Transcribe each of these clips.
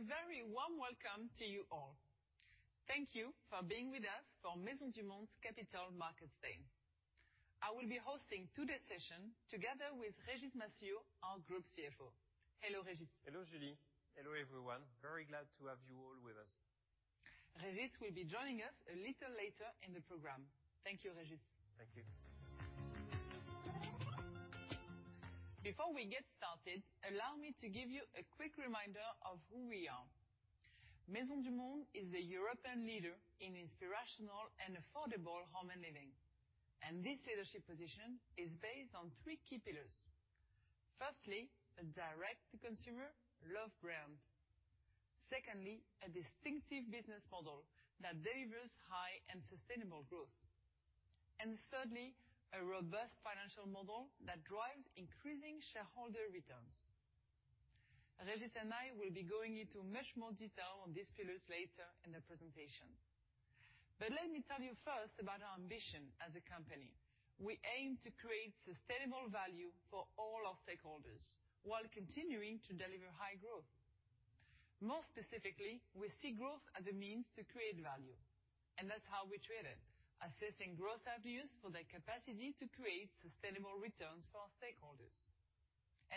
Hello, and a very warm welcome to you all. Thank you for being with us for Maisons du Monde's Capital Markets Day. I will be hosting today's session together with Régis Massuyeau, our Group CFO. Hello, Régis. Hello, Julie. Hello, everyone. Very glad to have you all with us. Régis will be joining us a little later in the program. Thank you, Régis. Thank you. Before we get started, allow me to give you a quick reminder of who we are. Maisons du Monde is the European leader in inspirational and affordable home and living. This leadership position is based on three key pillars. Firstly, a direct to consumer love brand. Secondly, a distinctive business model that delivers high and sustainable growth. Thirdly, a robust financial model that drives increasing shareholder returns. Régis and I will be going into much more detail on these pillars later in the presentation. Let me tell you first about our ambition as a company. We aim to create sustainable value for all our stakeholders while continuing to deliver high growth. More specifically, we see growth as the means to create value, and that's how we treat it, assessing growth avenues for their capacity to create sustainable returns for our stakeholders.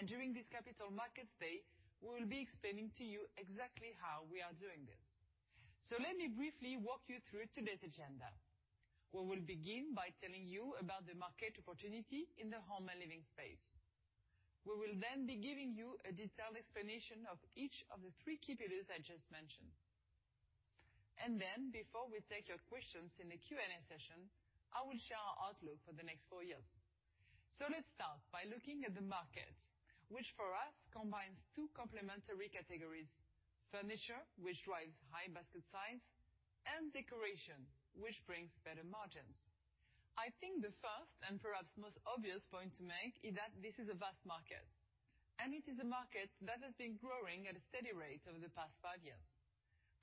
During this Capital Markets Day, we will be explaining to you exactly how we are doing this. Let me briefly walk you through today's agenda. We will begin by telling you about the market opportunity in the home and living space. We will then be giving you a detailed explanation of each of the three key pillars I just mentioned. Before we take your questions in the Q&A session, I will share our outlook for the next four years. Let's start by looking at the market, which for us combines two complementary categories, furniture, which drives high basket size, and decoration, which brings better margins. I think the first, and perhaps most obvious point to make, is that this is a vast market, and it is a market that has been growing at a steady rate over the past five years.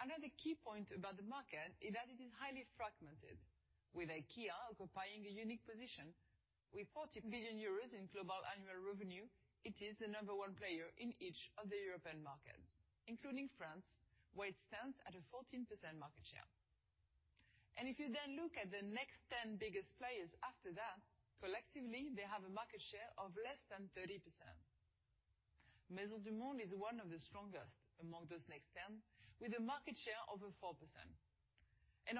Another key point about the market is that it is highly fragmented, with IKEA occupying a unique position. With 40 billion euros in global annual revenue, it is the number one player in each of the European markets, including France, where it stands at a 14% market share. If you then look at the next 10 biggest players after that, collectively they have a market share of less than 30%. Maisons du Monde is one of the strongest among those next 10, with a market share over 4%.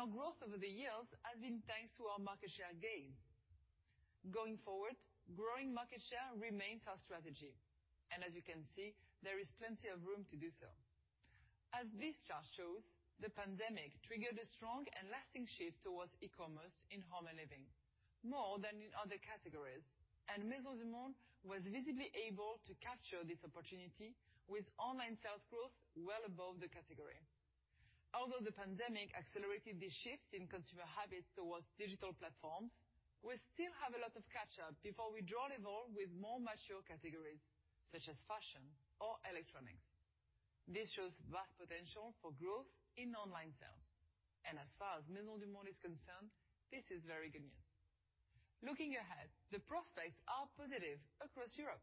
Our growth over the years has been thanks to our market share gains. Going forward, growing market share remains our strategy, and as you can see, there is plenty of room to do so. As this chart shows, the pandemic triggered a strong and lasting shift towards e-commerce in home and living more than in other categories, and Maisons du Monde was visibly able to capture this opportunity with online sales growth well above the category. Although the pandemic accelerated this shift in consumer habits towards digital platforms, we still have a lot of catch up before we draw level with more mature categories such as fashion or electronics. This shows vast potential for growth in online sales, and as far as Maisons du Monde is concerned, this is very good news. Looking ahead, the prospects are positive across Europe.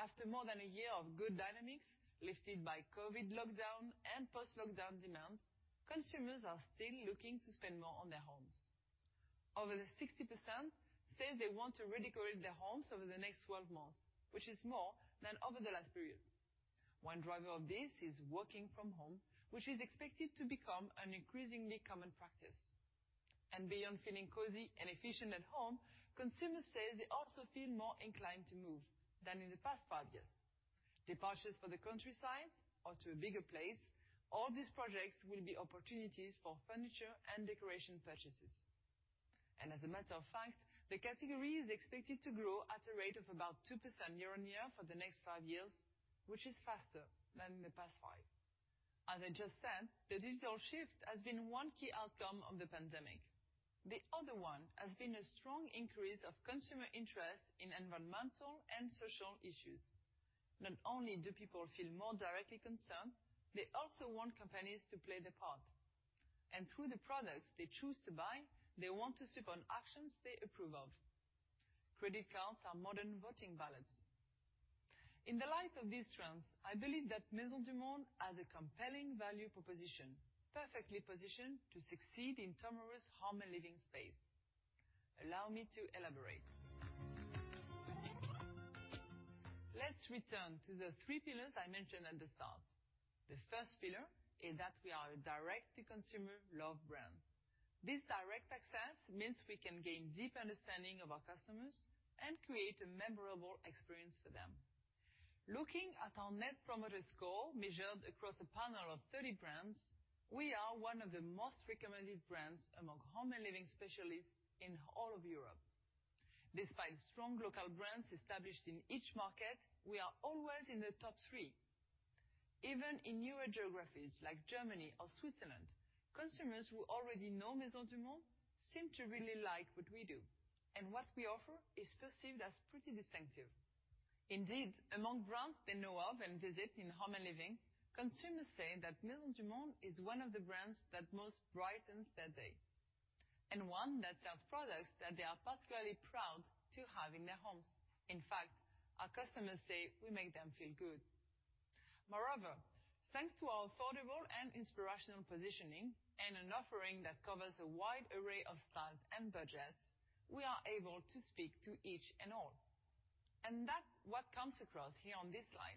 After more than a year of good dynamics lifted by COVID lockdown and post-lockdown demands, consumers are still looking to spend more on their homes. Over 60% say they want to redecorate their homes over the next 12 months, which is more than over the last period. One driver of this is working from home, which is expected to become an increasingly common practice. Beyond feeling cozy and efficient at home, consumers say they also feel more inclined to move than in the past five years. Departures for the countryside or to a bigger place, all these projects will be opportunities for furniture and decoration purchases. As a matter of fact, the category is expected to grow at a rate of about 2% year-on-year for the next five years, which is faster than the past five. As I just said, the digital shift has been one key outcome of the pandemic. The other one has been a strong increase of consumer interest in environmental and social issues. Not only do people feel more directly concerned, they also want companies to play their part. Through the products they choose to buy, they want to support actions they approve of. Credit cards are modern voting ballots. In the light of these trends, I believe that Maisons du Monde has a compelling value proposition, perfectly positioned to succeed in tomorrow's home and living space. Allow me to elaborate. Let's return to the three pillars I mentioned at the start. The first pillar is that we are a direct to consumer love brand. This direct access means we can gain deep understanding of our customers and create a memorable experience for them. Looking at our net promoter score measured across a panel of 30 brands, we are one of the most recommended brands among home and living specialists in all of Europe. Despite strong local brands established in each market, we are always in the top three. Even in newer geographies like Germany or Switzerland, consumers who already know Maisons du Monde seem to really like what we do, and what we offer is perceived as pretty distinctive. Indeed, among brands they know of and visit in home and living, consumers say that Maisons du Monde is one of the brands that most brightens their day. One that sells products that they are particularly proud to have in their homes. In fact, our customers say we make them feel good. Moreover, thanks to our affordable and inspirational positioning and an offering that covers a wide array of styles and budgets, we are able to speak to each and all. That's what comes across here on this slide.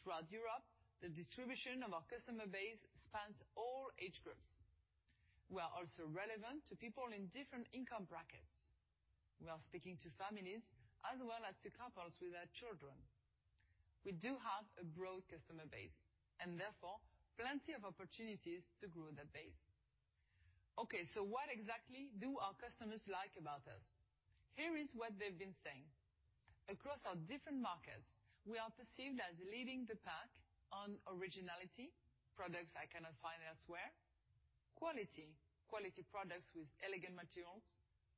Throughout Europe, the distribution of our customer base spans all age groups. We are also relevant to people in different income brackets. We are speaking to families as well as to couples with their children. We do have a broad customer base and therefore plenty of opportunities to grow that base. Okay, so what exactly do our customers like about us? Here is what they've been saying. Across our different markets, we are perceived as leading the pack on originality, products I cannot find elsewhere, quality products with elegant materials,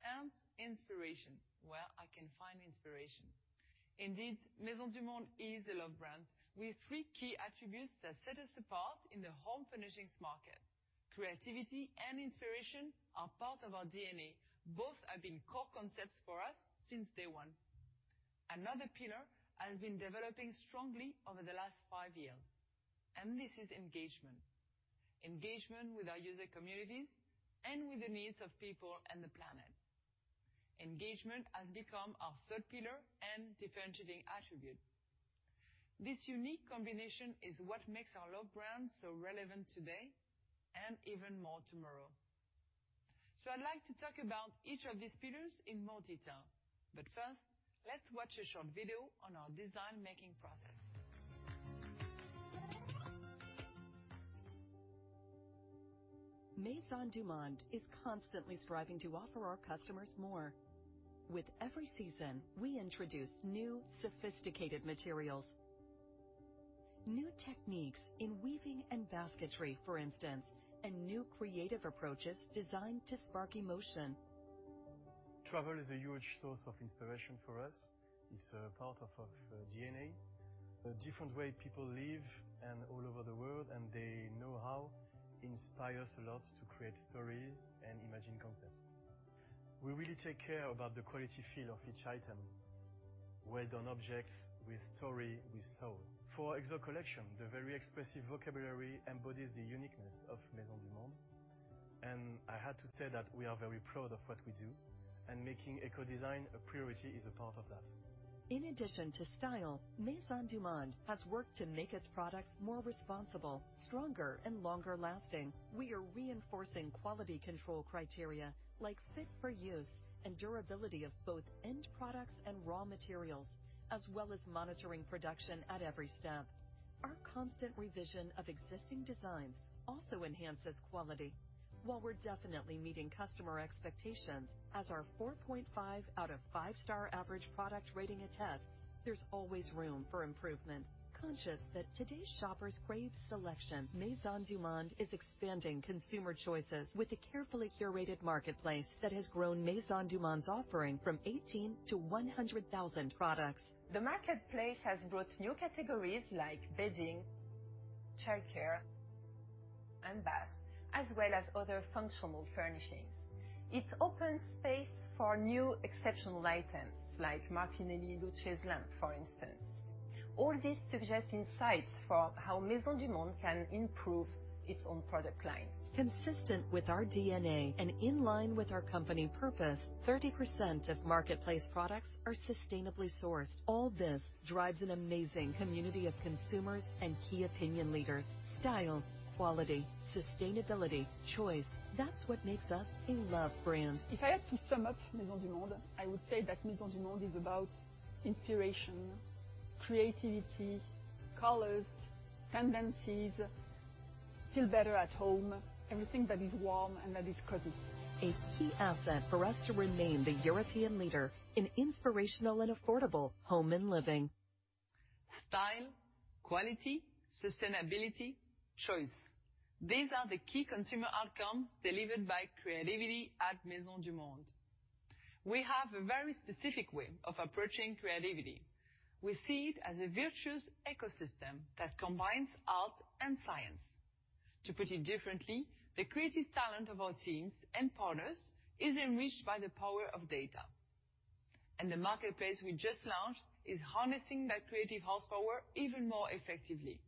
and inspiration, where I can find inspiration. Indeed, Maisons du Monde is a love brand with three key attributes that set us apart in the home furnishings market. Creativity and inspiration are part of our D&A. Both have been core concepts for us since day one. Another pillar has been developing strongly over the last five years, and this is engagement. Engagement with our user communities and with the needs of people and the planet. Engagement has become our third pillar and differentiating attribute. This unique combination is what makes our love brand so relevant today and even more tomorrow. I'd like to talk about each of these pillars in more detail. First, let's watch a short video on our design making process. Maisons du Monde is constantly striving to offer our customers more. With every season, we introduce new sophisticated materials, new techniques in weaving and basketry, for instance, and new creative approaches designed to spark emotion. Travel is a huge source of inspiration for us. It's a part of our D&A. The different way people live and all over the world, and their knowhow inspires a lot to create stories and imagine concepts. We really take care about the quality feel of each item. Well-done objects with story, with soul. For Exotic collection, the very expressive vocabulary embodies the uniqueness of Maisons du Monde. I have to say that we are very proud of what we do, and making eco-design a priority is a part of that. In addition to style, Maisons du Monde has worked to make its products more responsible, stronger and longer-lasting. We are reinforcing quality control criteria like fit for use and durability of both end products and raw materials, as well as monitoring production at every step. Our constant revision of existing designs also enhances quality. While we're definitely meeting customer expectations as our 4.5 out of 5-star average product rating attests, there's always room for improvement. Conscious that today's shoppers crave selection, Maisons du Monde is expanding consumer choices with a carefully curated marketplace that has grown Maisons du Monde's offering from 18 to 100,000 products. The marketplace has brought new categories like bedding, childcare, and bath, as well as other functional furnishings. It opens space for new exceptional items like Martinelli Luce's lamp, for instance. All this suggests insights for how Maisons du Monde can improve its own product line. Consistent with our D&A and in line with our company purpose, 30% of marketplace products are sustainably sourced. All this drives an amazing community of consumers and key opinion leaders. Style, quality, sustainability, choice, that's what makes us a love brand. If I had to sum up Maisons du Monde, I would say that Maisons du Monde is about inspiration, creativity, colors, tendencies, feel better at home, everything that is warm and that is cozy. A key asset for us to remain the European leader in inspirational and affordable home and living. Style, quality, sustainability, choice. These are the key consumer outcomes delivered by creativity at Maisons du Monde. We have a very specific way of approaching creativity. We see it as a virtuous ecosystem that combines art and science. To put it differently, the creative talent of our teams and partners is enriched by the power of data. The marketplace we just launched is harnessing that creative horsepower even more effectively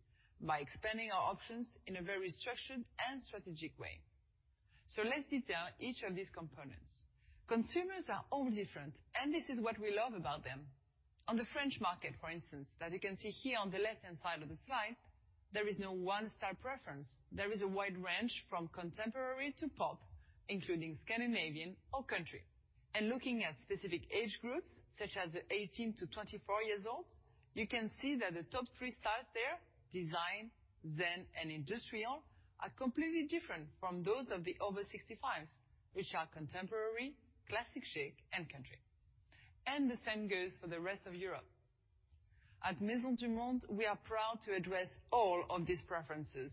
by expanding our options in a very structured and strategic way. Let's detail each of these components. Consumers are all different, and this is what we love about them. On the French market, for instance, that you can see here on the left-hand side of the slide, there is no one style preference. There is a wide range from contemporary to pop, including Scandinavian or country. Looking at specific age groups, such as 18-24 years old, you can see that the top three styles there, design, zen, and industrial, are completely different from those of the over 65s, which are contemporary, classic chic, and country. The same goes for the rest of Europe. At Maisons du Monde, we are proud to address all of these preferences,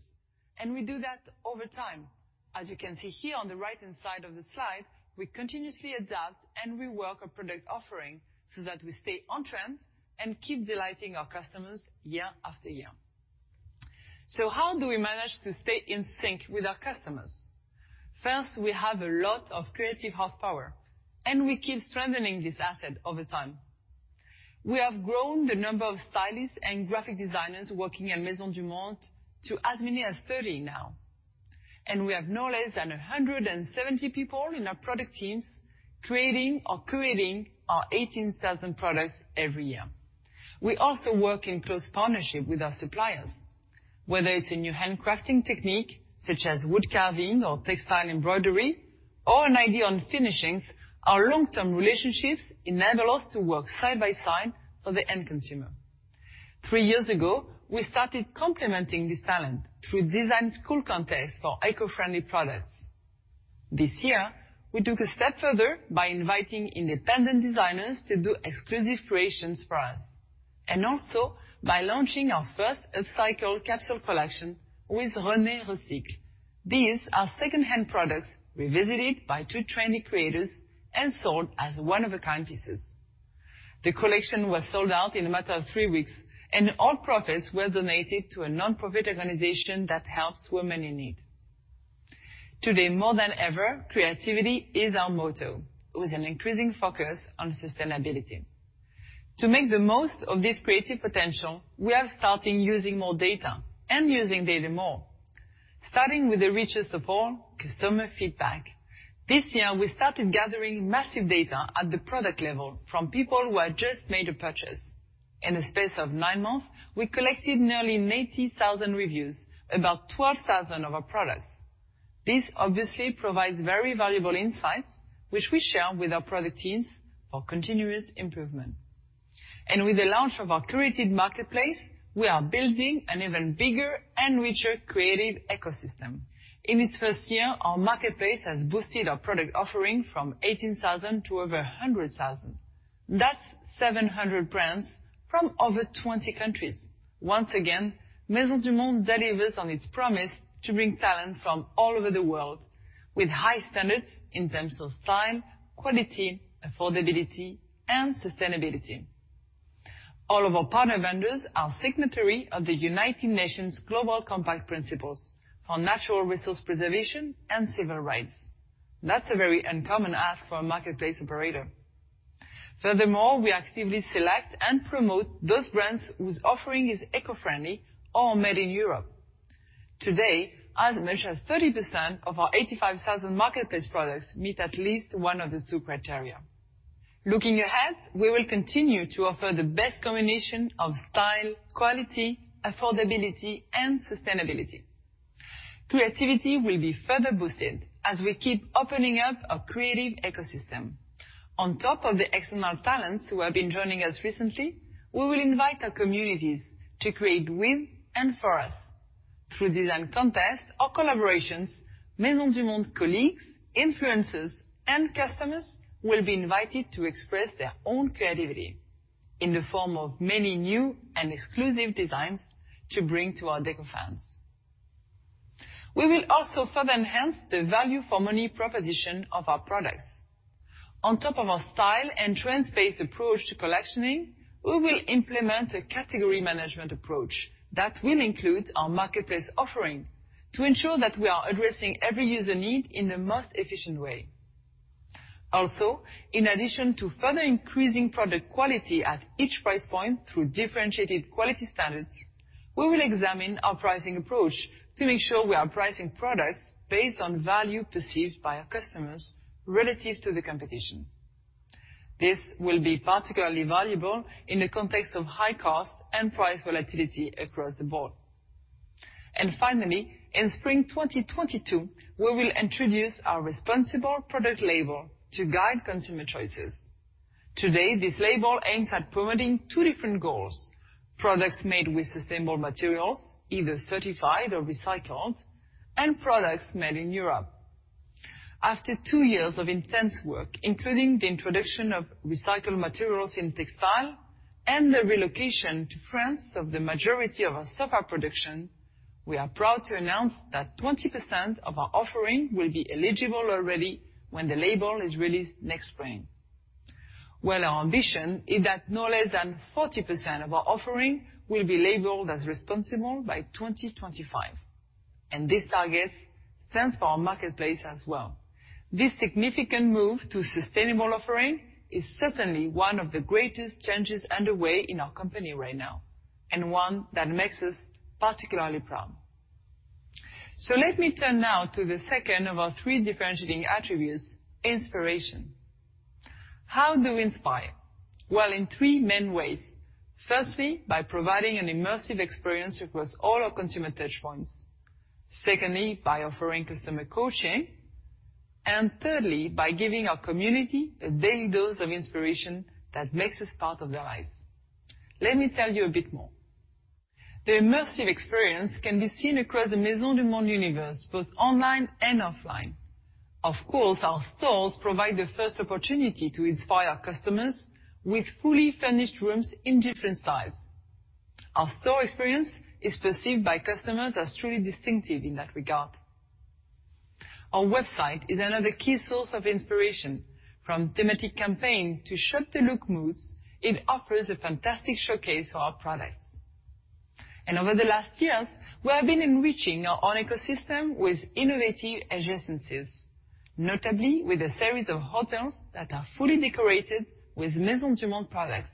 and we do that over time. As you can see here on the right-hand side of the slide, we continuously adapt and rework our product offering so that we stay on trend and keep delighting our customers year after year. How do we manage to stay in sync with our customers? First, we have a lot of creative horsepower, and we keep strengthening this asset over time. We have grown the number of stylists and graphic designers working at Maisons du Monde to as many as 30 now. We have no less than 170 people in our product teams creating or curating our 18,000 products every year. We also work in close partnership with our suppliers. Whether it's a new handcrafting technique, such as wood carving or textile embroidery, or an idea on finishings, our long-term relationships enable us to work side by side for the end consumer. Three years ago, we started complementing this talent through design school contests for eco-friendly products. This year, we took a step further by inviting independent designers to do exclusive creations for us, and also by launching our first upcycled capsule collection with Renée Recycle. These are secondhand products revisited by two trendy creators and sold as one-of-a-kind pieces. The collection was sold out in a matter of three weeks, and all profits were donated to a nonprofit organization that helps women in need. Today, more than ever, creativity is our motto, with an increasing focus on sustainability. To make the most of this creative potential, we are starting using more data and using data more. Starting with the richest of all, customer feedback, this year we started gathering massive data at the product level from people who had just made a purchase. In the space of 9 months, we collected nearly 80,000 reviews, about 12,000 of our products. This obviously provides very valuable insights, which we share with our product teams for continuous improvement. With the launch of our curated marketplace, we are building an even bigger and richer creative ecosystem. In its first year, our marketplace has boosted our product offering from 18,000 to over 100,000. That's 700 brands from over 20 countries. Once again, Maisons du Monde delivers on its promise to bring talent from all over the world with high standards in terms of style, quality, affordability, and sustainability. All of our partner vendors are signatory of the United Nations Global Compact Principles for Natural Resource Preservation and Civil Rights. That's a very uncommon ask for a marketplace operator. Furthermore, we actively select and promote those brands whose offering is eco-friendly or made in Europe. Today, as much as 30% of our 85,000 marketplace products meet at least one of the two criteria. Looking ahead, we will continue to offer the best combination of style, quality, affordability, and sustainability. Creativity will be further boosted as we keep opening up our creative ecosystem. On top of the external talents who have been joining us recently, we will invite our communities to create with and for us. Through design contests or collaborations, Maisons du Monde colleagues, influencers, and customers will be invited to express their own creativity in the form of many new and exclusive designs to bring to our deco fans. We will also further enhance the value for money proposition of our products. On top of our style and trends-based approach to collectioning, we will implement a category management approach that will include our marketplace offering to ensure that we are addressing every user need in the most efficient way. Also, in addition to further increasing product quality at each price point through differentiated quality standards, we will examine our pricing approach to make sure we are pricing products based on value perceived by our customers relative to the competition. This will be particularly valuable in the context of high cost and price volatility across the board. Finally, in Spring 2022, we will introduce our responsible product label to guide consumer choices. Today, this label aims at promoting two different goals, products made with sustainable materials, either certified or recycled, and products made in Europe. After two years of intense work, including the introduction of recycled materials in textile and the relocation to France of the majority of our sofa production, we are proud to announce that 20% of our offering will be eligible already when the label is released next spring. Well, our ambition is that no less than 40% of our offering will be labeled as responsible by 2025, and this target stands for our marketplace as well. This significant move to sustainable offering is certainly one of the greatest changes underway in our company right now, and one that makes us particularly proud. Let me turn now to the second of our three differentiating attributes, inspiration. How do we inspire? Well, in three main ways. Firstly, by providing an immersive experience across all our consumer touch points. Secondly, by offering customer coaching. And thirdly, by giving our community a daily dose of inspiration that makes us part of their lives. Let me tell you a bit more. The immersive experience can be seen across the Maisons du Monde universe, both online and offline. Of course, our stores provide the first opportunity to inspire our customers with fully furnished rooms in different styles. Our store experience is perceived by customers as truly distinctive in that regard. Our website is another key source of inspiration, from thematic campaign to shop the look moods. It offers a fantastic showcase for our products. Over the last years, we have been enriching our own ecosystem with innovative adjacencies, notably with a series of hotels that are fully decorated with Maisons du Monde products,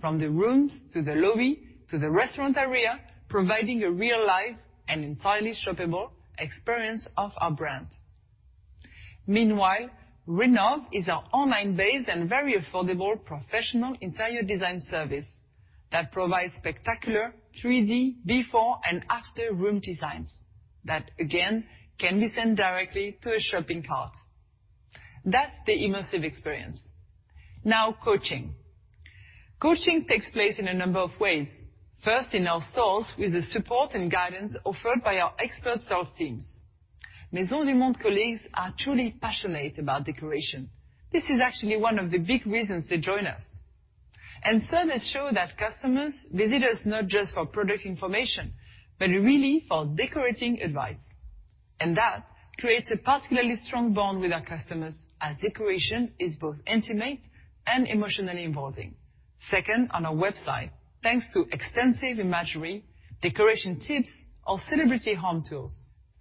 from the rooms to the lobby, to the restaurant area, providing a real-life and entirely shoppable experience of our brand. Meanwhile, Rhinov is our online-based and very affordable professional interior design service that provides spectacular 3D before-and-after room designs that, again, can be sent directly to a shopping cart. That's the immersive experience. Now coaching. Coaching takes place in a number of ways. First in our stores with the support and guidance offered by our expert store teams. Maisons du Monde colleagues are truly passionate about decoration. This is actually one of the big reasons they join us. Surveys show that customers visit us not just for product information, but really for decorating advice. That creates a particularly strong bond with our customers as decoration is both intimate and emotionally involving. Second, on our website, thanks to extensive imagery, decoration tips, or celebrity home tours.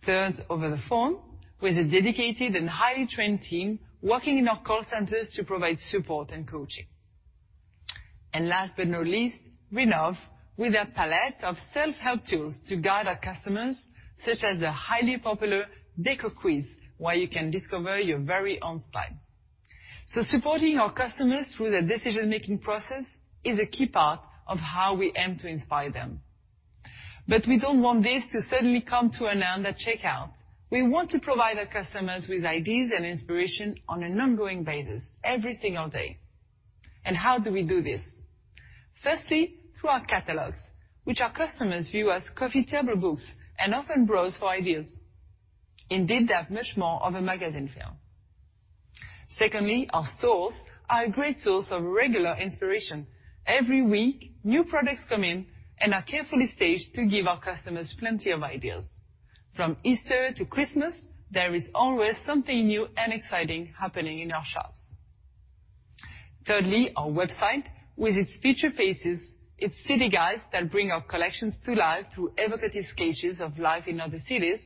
Third, over the phone with a dedicated and highly trained team working in our call centers to provide support and coaching. Last but not least, Rhinov with a palette of self-help tools to guide our customers, such as the highly popular deco quiz, where you can discover your very own style. Supporting our customers through the decision-making process is a key part of how we aim to inspire them. We don't want this to suddenly come to an end at checkout. We want to provide our customers with ideas and inspiration on an ongoing basis every single day. How do we do this? Firstly, through our catalogs, which our customers view as coffee table books and often browse for ideas. Indeed, they have much more of a magazine feel. Secondly, our stores are a great source of regular inspiration. Every week, new products come in and are carefully staged to give our customers plenty of ideas. From Easter to Christmas, there is always something new and exciting happening in our shops. Thirdly, our website with its feature pieces, its city guides that bring our collections to life through evocative sketches of life in other cities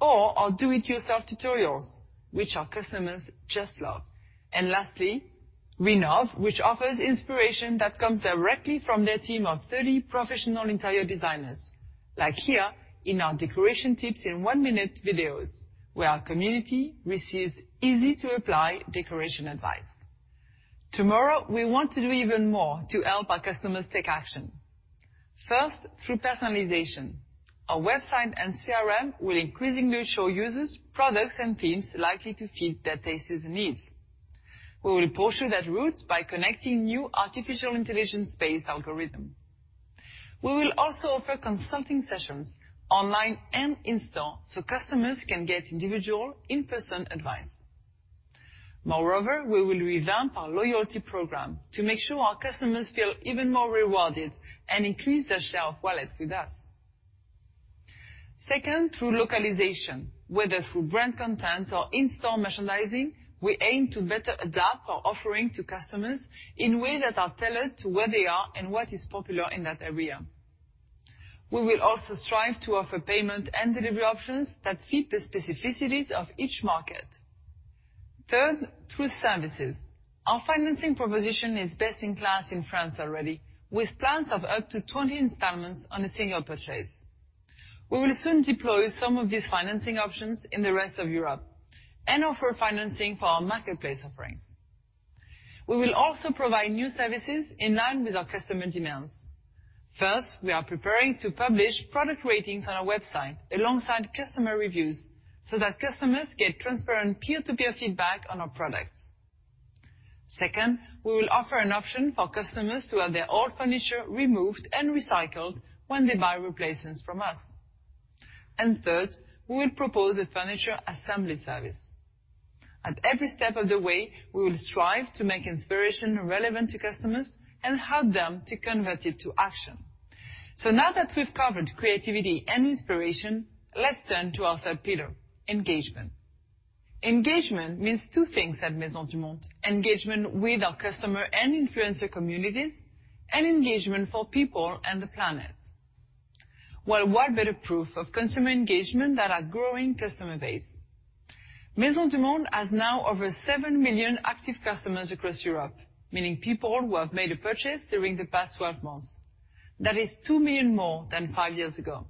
or our do it yourself tutorials, which our customers just love. Lastly, Rhinov, which offers inspiration that comes directly from their team of 30 professional interior designers. Like here in our decoration tips in 1-minute videos where our community receives easy-to-apply decoration advice. Tomorrow, we want to do even more to help our customers take action. First, through personalization. Our website and CRM will increasingly show users products and themes likely to fit their tastes and needs. We will pursue that route by connecting new artificial intelligence-based algorithm. We will also offer consulting sessions online and in-store so customers can get individual in-person advice. Moreover, we will revamp our loyalty program to make sure our customers feel even more rewarded and increase their share of wallet with us. Second, through localization, whether through brand content or in-store merchandising, we aim to better adapt our offering to customers in ways that are tailored to where they are and what is popular in that area. We will also strive to offer payment and delivery options that fit the specificities of each market. Third, through services. Our financing proposition is best in class in France already, with plans of up to 20 installments on a single purchase. We will soon deploy some of these financing options in the rest of Europe and offer financing for our marketplace offerings. We will also provide new services in line with our customer demands. First, we are preparing to publish product ratings on our website alongside customer reviews so that customers get transparent peer-to-peer feedback on our products. Second, we will offer an option for customers to have their old furniture removed and recycled when they buy replacements from us. Third, we will propose a furniture assembly service. At every step of the way, we will strive to make inspiration relevant to customers and help them to convert it to action. Now that we've covered creativity and inspiration, let's turn to our third pillar, engagement. Engagement means two things at Maisons du Monde, engagement with our customer and influencer communities, and engagement for people and the planet. Well, what better proof of consumer engagement than our growing customer base? Maisons du Monde has now over 7 million active customers across Europe, meaning people who have made a purchase during the past twelve months. That is 2 million more than five years ago.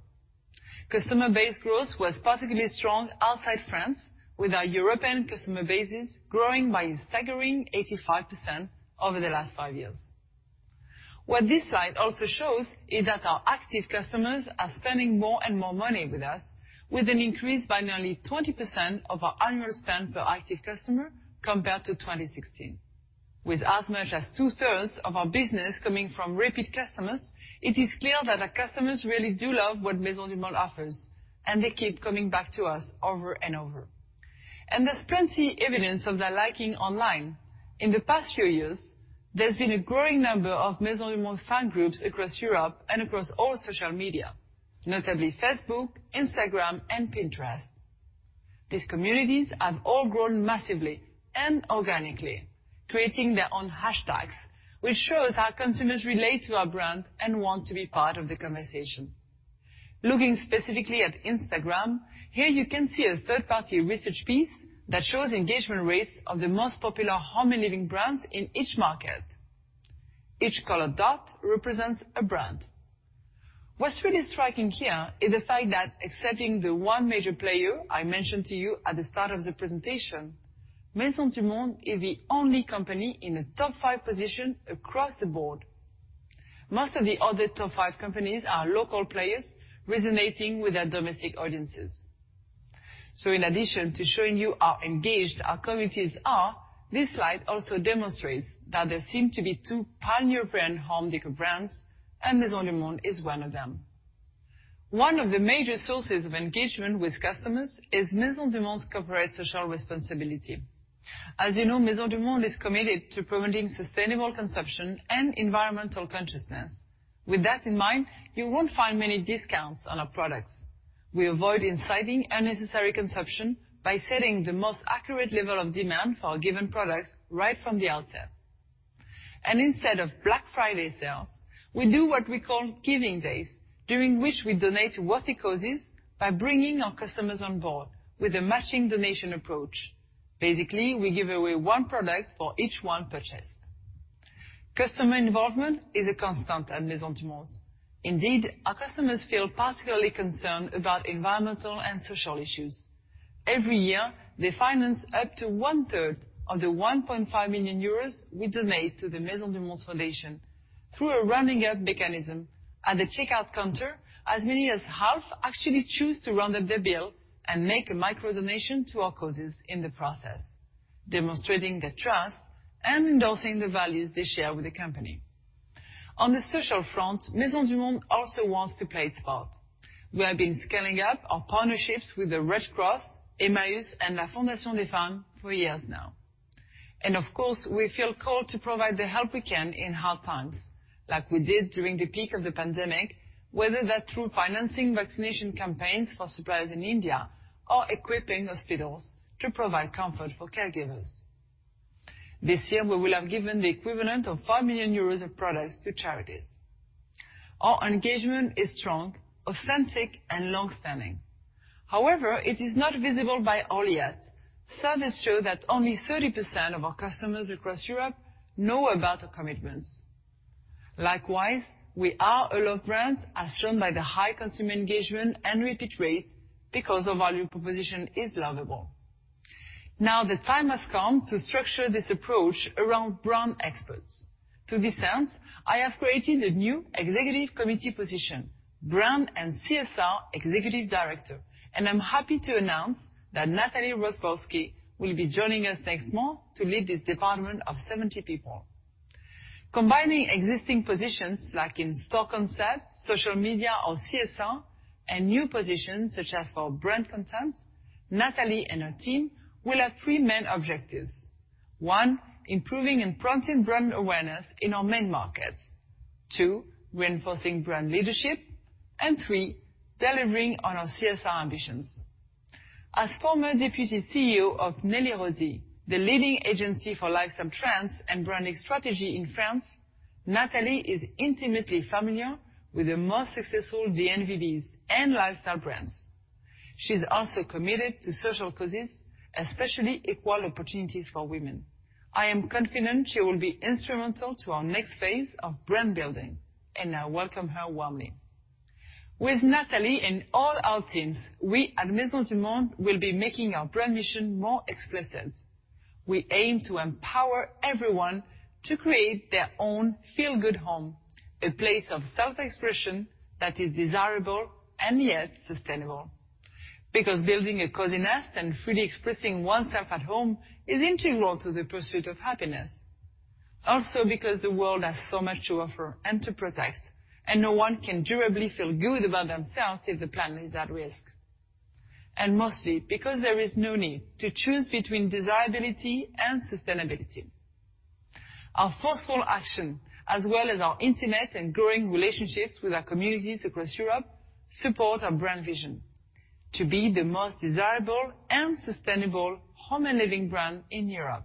Customer base growth was particularly strong outside France, with our European customer bases growing by a staggering 85% over the last five years. What this slide also shows is that our active customers are spending more and more money with us with an increase by nearly 20% of our annual spend per active customer compared to 2016. With as much as two-thirds of our business coming from repeat customers, it is clear that our customers really do love what Maisons du Monde offers, and they keep coming back to us over and over. There's plenty of evidence of their liking online. In the past few years, there's been a growing number of Maisons du Monde fan groups across Europe and across all social media, notably Facebook, Instagram, and Pinterest. These communities have all grown massively and organically, creating their own hashtags, which shows how consumers relate to our brand and want to be part of the conversation. Looking specifically at Instagram, here you can see a third-party research piece that shows engagement rates of the most popular home and living brands in each market. Each colored dot represents a brand. What's really striking here is the fact that excepting the one major player I mentioned to you at the start of the presentation, Maisons du Monde is the only company in a top five position across the board. Most of the other top five companies are local players resonating with their domestic audiences. In addition to showing you how engaged our communities are, this slide also demonstrates that there seem to be two pan-European home decor brands, and Maisons du Monde is one of them. One of the major sources of engagement with customers is Maisons du Monde's corporate social responsibility. As you know, Maisons du Monde is committed to promoting sustainable consumption and environmental consciousness. With that in mind, you won't find many discounts on our products. We avoid inciting unnecessary consumption by setting the most accurate level of demand for our given products right from the outset. Instead of Black Friday sales, we do what we call Giving Days, during which we donate to worthy causes by bringing our customers on board with a matching donation approach. Basically, we give away one product for each one purchased. Customer involvement is a constant at Maisons du Monde. Indeed, our customers feel particularly concerned about environmental and social issues. Every year, they finance up to one-third of the 1.5 million euros we donate to the Maisons du Monde Foundation through a rounding up mechanism. At the checkout counter, as many as half actually choose to round up their bill and make a micro donation to our causes in the process, demonstrating their trust and endorsing the values they share with the company. On the social front, Maisons du Monde also wants to play its part. We have been scaling up our partnerships with the Red Cross, Emmaüs, and La Fondation des Femmes for years now. Of course, we feel called to provide the help we can in hard times, like we did during the peak of the pandemic, whether that's through financing vaccination campaigns for suppliers in India or equipping hospitals to provide comfort for caregivers. This year, we will have given the equivalent of 5 million euros of products to charities. Our engagement is strong, authentic, and long-standing. However, it is not visible by all yet. Surveys show that only 30% of our customers across Europe know about our commitments. Likewise, we are a loved brand, as shown by the high consumer engagement and repeat rates, because our value proposition is lovable. Now, the time has come to structure this approach around brand experts. To this end, I have created a new executive committee position, Brand and CSR Executive Director, and I'm happy to announce that Nathalie Rozborski will be joining us next month to lead this department of 70 people. Combining existing positions like in-store concept, social media, or CSR, and new positions such as for brand content, Nathalie and her team will have three main objectives. One, improving and prompting brand awareness in our main markets. Two, reinforcing brand leadership. Three, delivering on our CSR ambitions. As former Deputy CEO of NellyRodi, the leading agency for lifestyle trends and branding strategy in France, Nathalie is intimately familiar with the most successful DNVBs and lifestyle brands. She's also committed to social causes, especially equal opportunities for women. I am confident she will be instrumental to our next phase of brand building, and I welcome her warmly. With Nathalie and all our teams, we at Maisons du Monde will be making our brand mission more explicit. We aim to empower everyone to create their own feel-good home, a place of self-expression that is desirable and yet sustainable. Because building a cozy nest and freely expressing oneself at home is integral to the pursuit of happiness. Also, because the world has so much to offer and to protect, and no one can durably feel good about themselves if the planet is at risk. Mostly because there is no need to choose between desirability and sustainability. Our forceful action, as well as our intimate and growing relationships with our communities across Europe, support our brand vision to be the most desirable and sustainable home and living brand in Europe.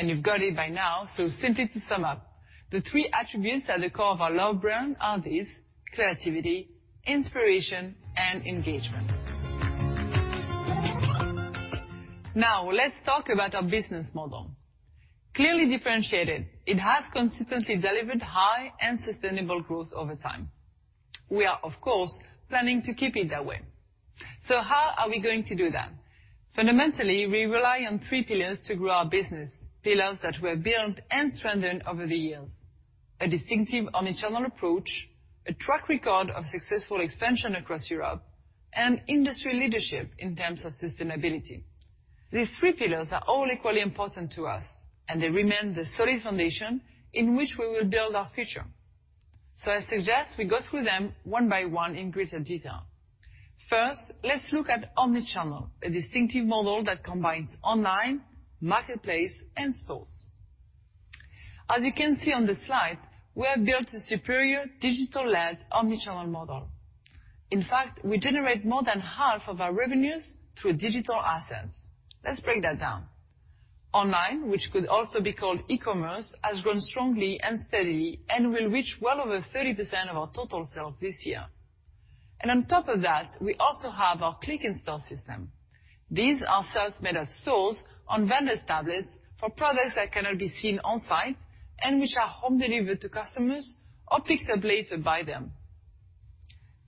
You've got it by now, so simply to sum up, the three attributes at the core of our loved brand are these, creativity, inspiration, and engagement. Now, let's talk about our business model. Clearly differentiated, it has consistently delivered high and sustainable growth over time. We are, of course, planning to keep it that way. How are we going to do that? Fundamentally, we rely on three pillars to grow our business, pillars that were built and strengthened over the years. A distinctive omnichannel approach, a track record of successful expansion across Europe, and industry leadership in terms of sustainability. These three pillars are all equally important to us, and they remain the solid foundation in which we will build our future. I suggest we go through them one by one in greater detail. First, let's look at omnichannel, a distinctive model that combines online, marketplace, and stores. As you can see on the slide, we have built a superior digital-led omnichannel model. In fact, we generate more than half of our revenues through digital assets. Let's break that down. Online, which could also be called e-commerce, has grown strongly and steadily and will reach well over 30% of our total sales this year. On top of that, we also have our click-in-store system. These are sales made at stores on vendors' tablets for products that cannot be seen on site and which are home delivered to customers or picked up later by them.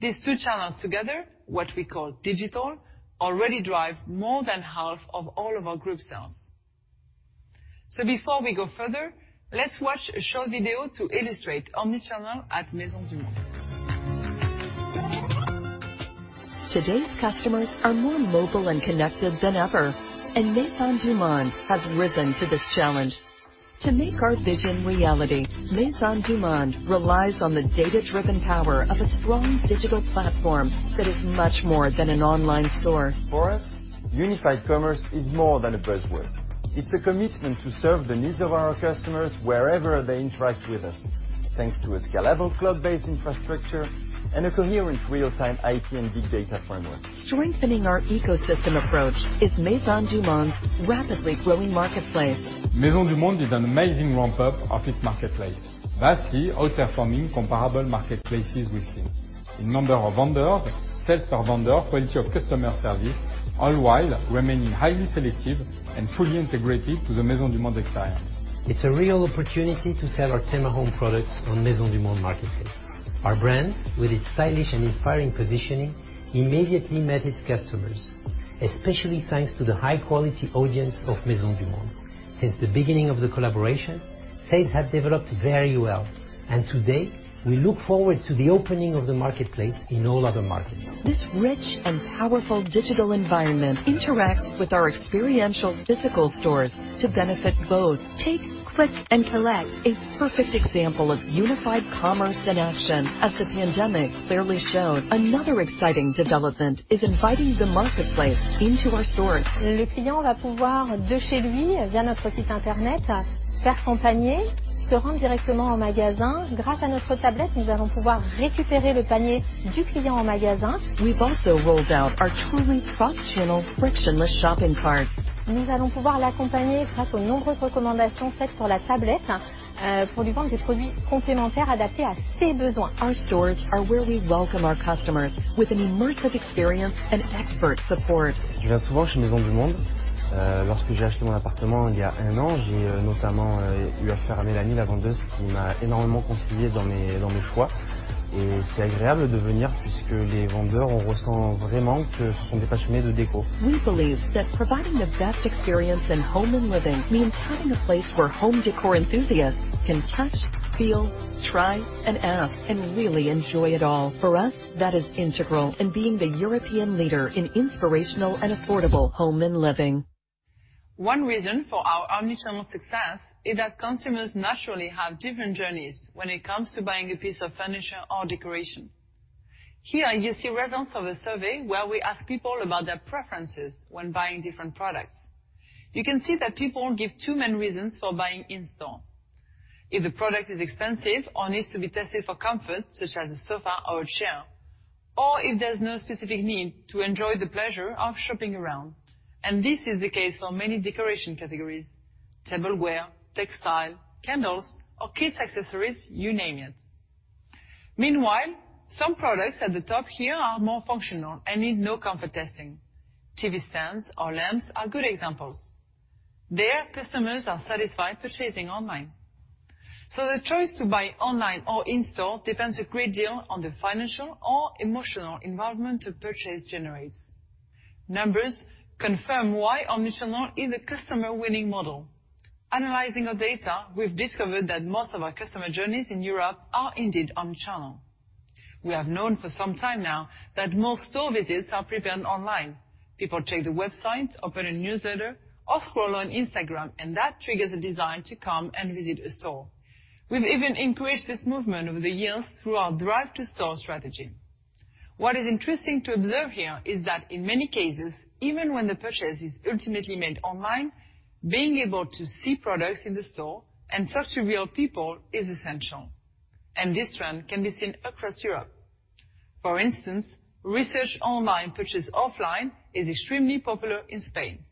These two channels together, what we call digital, already drive more than half of all of our group sales. Before we go further, let's watch a short video to illustrate omnichannel at Maisons du Monde. Today's customers are more mobile and connected than ever, and Maisons du Monde has risen to this challenge. To make our vision reality, Maisons du Monde relies on the data-driven power of a strong digital platform that is much more than an online store. For us, unified commerce is more than a buzzword. It's a commitment to serve the needs of our customers wherever they interact with us. Thanks to a scalable cloud-based infrastructure and a coherent real-time IT and big data framework. Strengthening our ecosystem approach is Maisons du Monde's rapidly growing marketplace. Maisons du Monde is an amazing ramp-up of its marketplace, vastly outperforming comparable marketplaces we've seen in number of vendors, sales per vendor, quality of customer service, all while remaining highly selective and fully integrated to the Maisons du Monde experience. It's a real opportunity to sell our Temahome products on Maisons du Monde marketplace. Our brand, with its stylish and inspiring positioning, immediately met its customers, especially thanks to the high quality audience of Maisons du Monde. Since the beginning of the collaboration, sales have developed very well, and today we look forward to the opening of the marketplace in all other markets. This rich and powerful digital environment interacts with our experiential physical stores to benefit both. Click and collect, a perfect example of unified commerce in action, as the pandemic clearly showed. Another exciting development is inviting the marketplace into our stores. We've also rolled out our truly cross-channel frictionless shopping cart. Our stores are where we welcome our customers with an immersive experience and expert support. We believe that providing the best experience in home and living means having a place where home decor enthusiasts can touch, feel, try, and ask and really enjoy it all. For us, that is integral in being the European leader in inspirational and affordable home and living. One reason for our omni-channel success is that consumers naturally have different journeys when it comes to buying a piece of furniture or decoration. Here, you see results of a survey where we ask people about their preferences when buying different products. You can see that people give two main reasons for buying in store: if the product is expensive or needs to be tested for comfort, such as a sofa or a chair, or if there's no specific need to enjoy the pleasure of shopping around. This is the case for many decoration categories, tableware, textile, candles or kids' accessories, you name it. Meanwhile, some products at the top here are more functional and need no comfort testing. TV stands or lamps are good examples. There, customers are satisfied purchasing online. The choice to buy online or in store depends a great deal on the financial or emotional involvement a purchase generates. Numbers confirm why omnichannel is a customer-winning model. Analyzing our data, we've discovered that most of our customer journeys in Europe are indeed omnichannel. We have known for some time now that most store visits are prepared online. People check the website, open a newsletter, or scroll on Instagram, and that triggers a desire to come and visit a store. We've even increased this movement over the years through our drive to store strategy. What is interesting to observe here is that in many cases, even when the purchase is ultimately made online, being able to see products in the store and talk to real people is essential, and this trend can be seen across Europe. For instance, research online, purchase offline is extremely popular in Spain.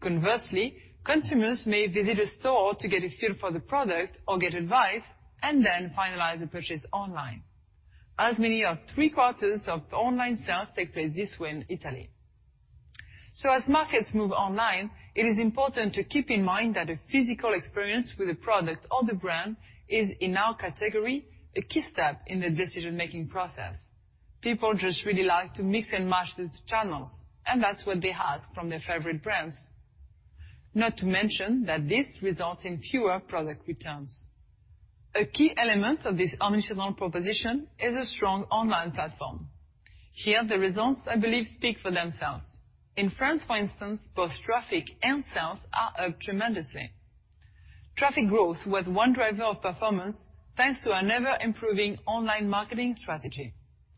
Conversely, consumers may visit a store to get a feel for the product or get advice and then finalize the purchase online. As many as three-quarters of online sales take place this way in Italy. As markets move online, it is important to keep in mind that a physical experience with a product or the brand is, in our category, a key step in the decision-making process. People just really like to mix and match these channels, and that's what they ask from their favorite brands. Not to mention that this results in fewer product returns. A key element of this omnichannel proposition is a strong online platform. Here are the results, I believe, speak for themselves. In France, for instance, both traffic and sales are up tremendously. Traffic growth was one driver of performance, thanks to our ever-improving online marketing strategy.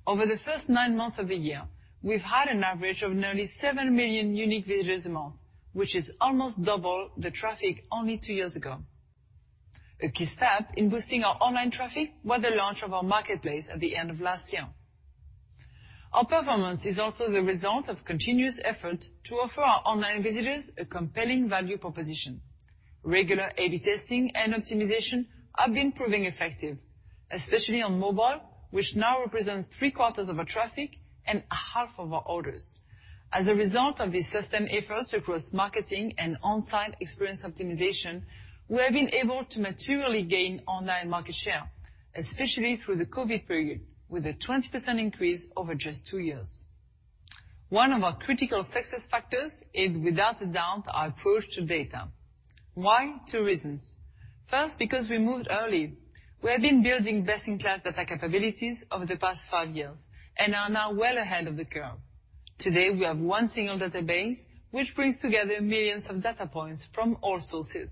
Over the first nine months of the year, we've had an average of nearly 7 million unique visitors a month, which is almost double the traffic only 2 years ago. A key step in boosting our online traffic was the launch of our marketplace at the end of last year. Our performance is also the result of continuous effort to offer our online visitors a compelling value proposition. Regular A/B testing and optimization have been proving effective, especially on mobile, which now represents three-quarters of our traffic and half of our orders. As a result of these system efforts across marketing and on-site experience optimization, we have been able to materially gain online market share, especially through the COVID period, with a 20% increase over just 2 years. One of our critical success factors is, without a doubt, our approach to data. Why? Two reasons. First, because we moved early. We have been building best-in-class data capabilities over the past five years and are now well ahead of the curve. Today, we have one single database which brings together millions of data points from all sources,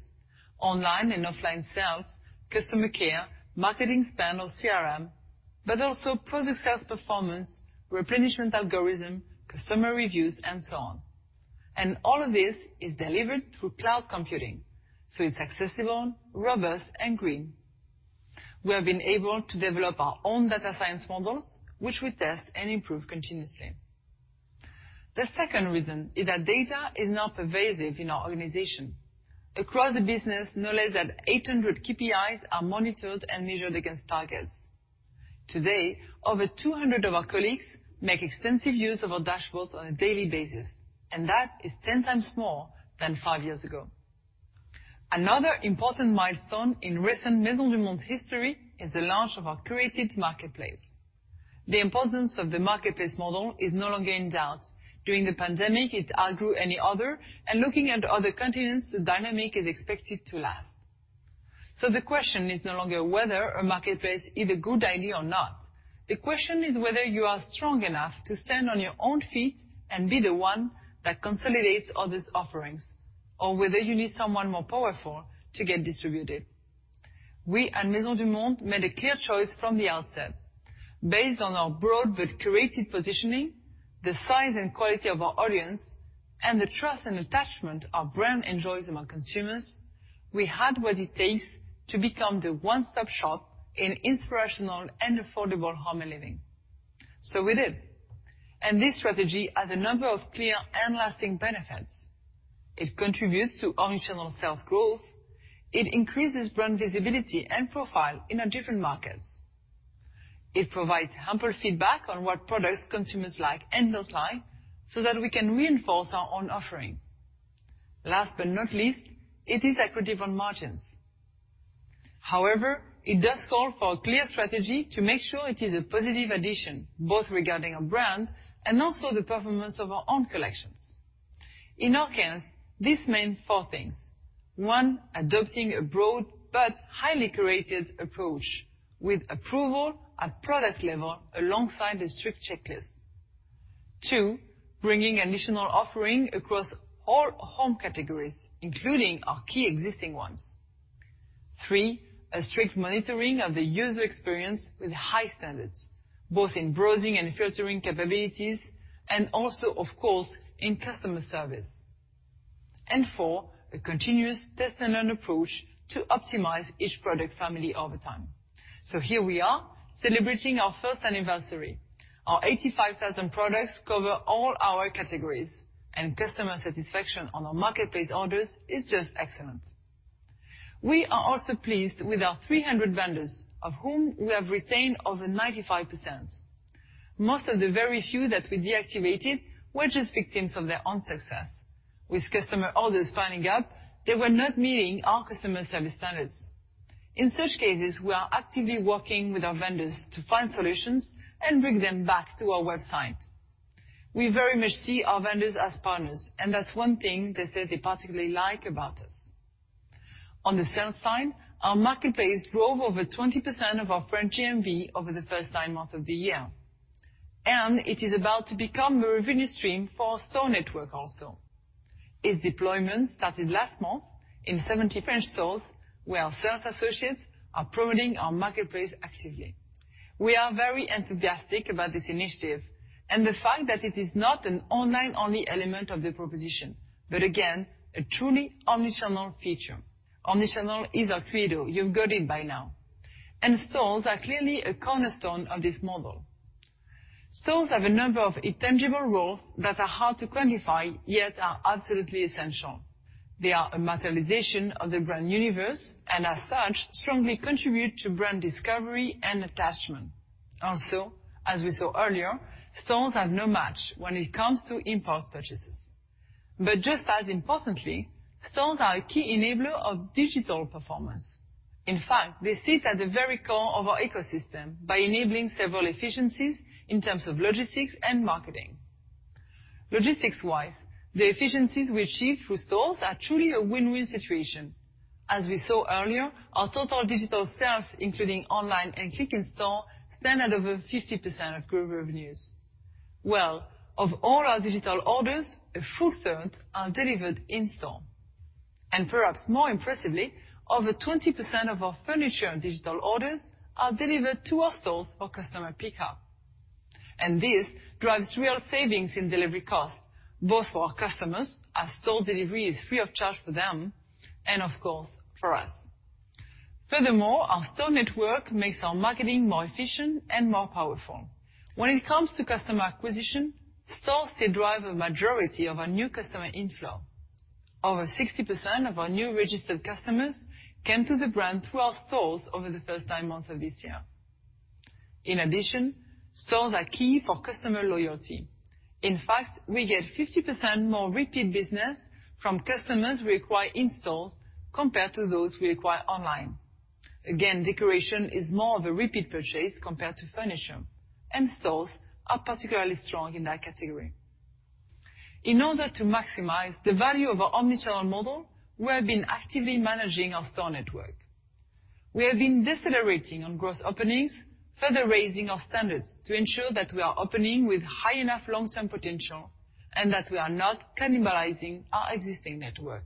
online and offline sales, customer care, marketing spend or CRM, but also product sales performance, replenishment algorithm, customer reviews, and so on. All of this is delivered through cloud computing, so it's accessible, robust, and green. We have been able to develop our own data science models, which we test and improve continuously. The second reason is that data is now pervasive in our organization. Across the business, no less than 800 KPIs are monitored and measured against targets. Today, over 200 of our colleagues make extensive use of our dashboards on a daily basis, and that is 10 times more than five years ago. Another important milestone in recent Maisons du Monde history is the launch of our curated marketplace. The importance of the marketplace model is no longer in doubt. During the pandemic, it outgrew any other, and looking at other continents, the dynamic is expected to last. The question is no longer whether a marketplace is a good idea or not. The question is whether you are strong enough to stand on your own feet and be the one that consolidates others' offerings, or whether you need someone more powerful to get distributed. We at Maisons du Monde made a clear choice from the outset. Based on our broad but curated positioning, the size and quality of our audience, and the trust and attachment our brand enjoys among consumers, we had what it takes to become the one-stop shop in inspirational and affordable home and living. We did. This strategy has a number of clear and lasting benefits. It contributes to omni-channel sales growth. It increases brand visibility and profile in our different markets. It provides ample feedback on what products consumers like and don't like, so that we can reinforce our own offering. Last but not least, it is accretive on margins. However, it does call for a clear strategy to make sure it is a positive addition, both regarding our brand and also the performance of our own collections. In our case, this means four things. One, adopting a broad but highly curated approach with approval at product level alongside a strict checklist. Two, bringing additional offering across all home categories, including our key existing ones. Three, a strict monitoring of the user experience with high standards, both in browsing and filtering capabilities, and also, of course, in customer service. Four, a continuous test-and-learn approach to optimize each product family over time. Here we are, celebrating our first anniversary. Our 85,000 products cover all our categories, and customer satisfaction on our marketplace orders is just excellent. We are also pleased with our 300 vendors, of whom we have retained over 95%. Most of the very few that we deactivated were just victims of their own success. With customer orders piling up, they were not meeting our customer service standards. In such cases, we are actively working with our vendors to find solutions and bring them back to our website. We very much see our vendors as partners, and that's one thing they say they particularly like about us. On the sales side, our marketplace drove over 20% of our French GMV over the first 9 months of the year. It is about to become a revenue stream for our store network also. Its deployment started last month in 70 French stores, where our sales associates are promoting our marketplace actively. We are very enthusiastic about this initiative and the fact that it is not an online-only element of the proposition, but again, a truly omnichannel feature. Omnichannel is our credo. You've got it by now. Stores are clearly a cornerstone of this model. Stores have a number of intangible roles that are hard to quantify, yet are absolutely essential. They are a materialization of the brand universe, and as such, strongly contribute to brand discovery and attachment. Also, as we saw earlier, stores have no match when it comes to impulse purchases. But just as importantly, stores are a key enabler of digital performance. In fact, they sit at the very core of our ecosystem by enabling several efficiencies in terms of logistics and marketing. Logistics-wise, the efficiencies we achieve through stores are truly a win-win situation. As we saw earlier, our total digital sales, including online and click and store, stand at over 50% of group revenues. Well, of all our digital orders, a full third are delivered in-store. Perhaps more impressively, over 20% of our furniture and digital orders are delivered to our stores for customer pickup. This drives real savings in delivery costs, both for our customers, as store delivery is free of charge for them, and of course, for us. Furthermore, our store network makes our marketing more efficient and more powerful. When it comes to customer acquisition, stores still drive a majority of our new customer inflow. Over 60% of our new registered customers came to the brand through our stores over the first 10 months of this year. In addition, stores are key for customer loyalty. In fact, we get 50% more repeat business from customers we acquire in stores compared to those we acquire online. Again, decoration is more of a repeat purchase compared to furniture, and stores are particularly strong in that category. In order to maximize the value of our omni-channel model, we have been actively managing our store network. We have been decelerating on gross openings, further raising our standards to ensure that we are opening with high enough long-term potential and that we are not cannibalizing our existing network.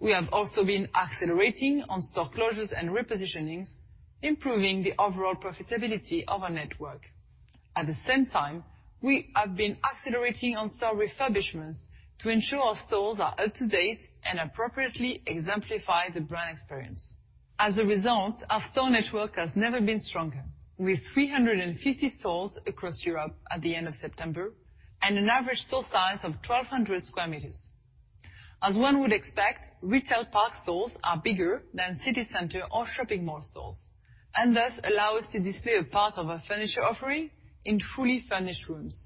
We have also been accelerating on store closures and repositionings, improving the overall profitability of our network. At the same time, we have been accelerating on store refurbishments to ensure our stores are up to date and appropriately exemplify the brand experience. As a result, our store network has never been stronger, with 350 stores across Europe at the end of September and an average store size of 1,200 sq m. As one would expect, retail park stores are bigger than city center or shopping mall stores, and thus allow us to display a part of our furniture offering in fully furnished rooms.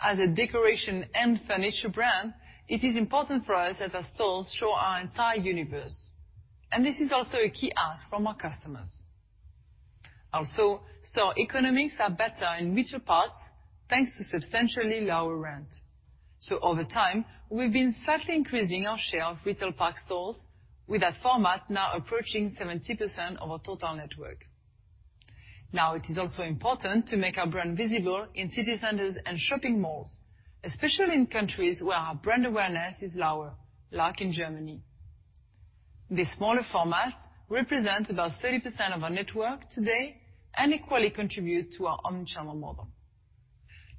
As a decoration and furniture brand, it is important for us that our stores show our entire universe, and this is also a key ask from our customers. Also, store economics are better in retail parks, thanks to substantially lower rent. Over time, we've been slightly increasing our share of retail park stores with that format now approaching 70% of our total network. Now it is also important to make our brand visible in city centers and shopping malls, especially in countries where our brand awareness is lower, like in Germany. The smaller formats represent about 30% of our network today and equally contribute to our omnichannel model.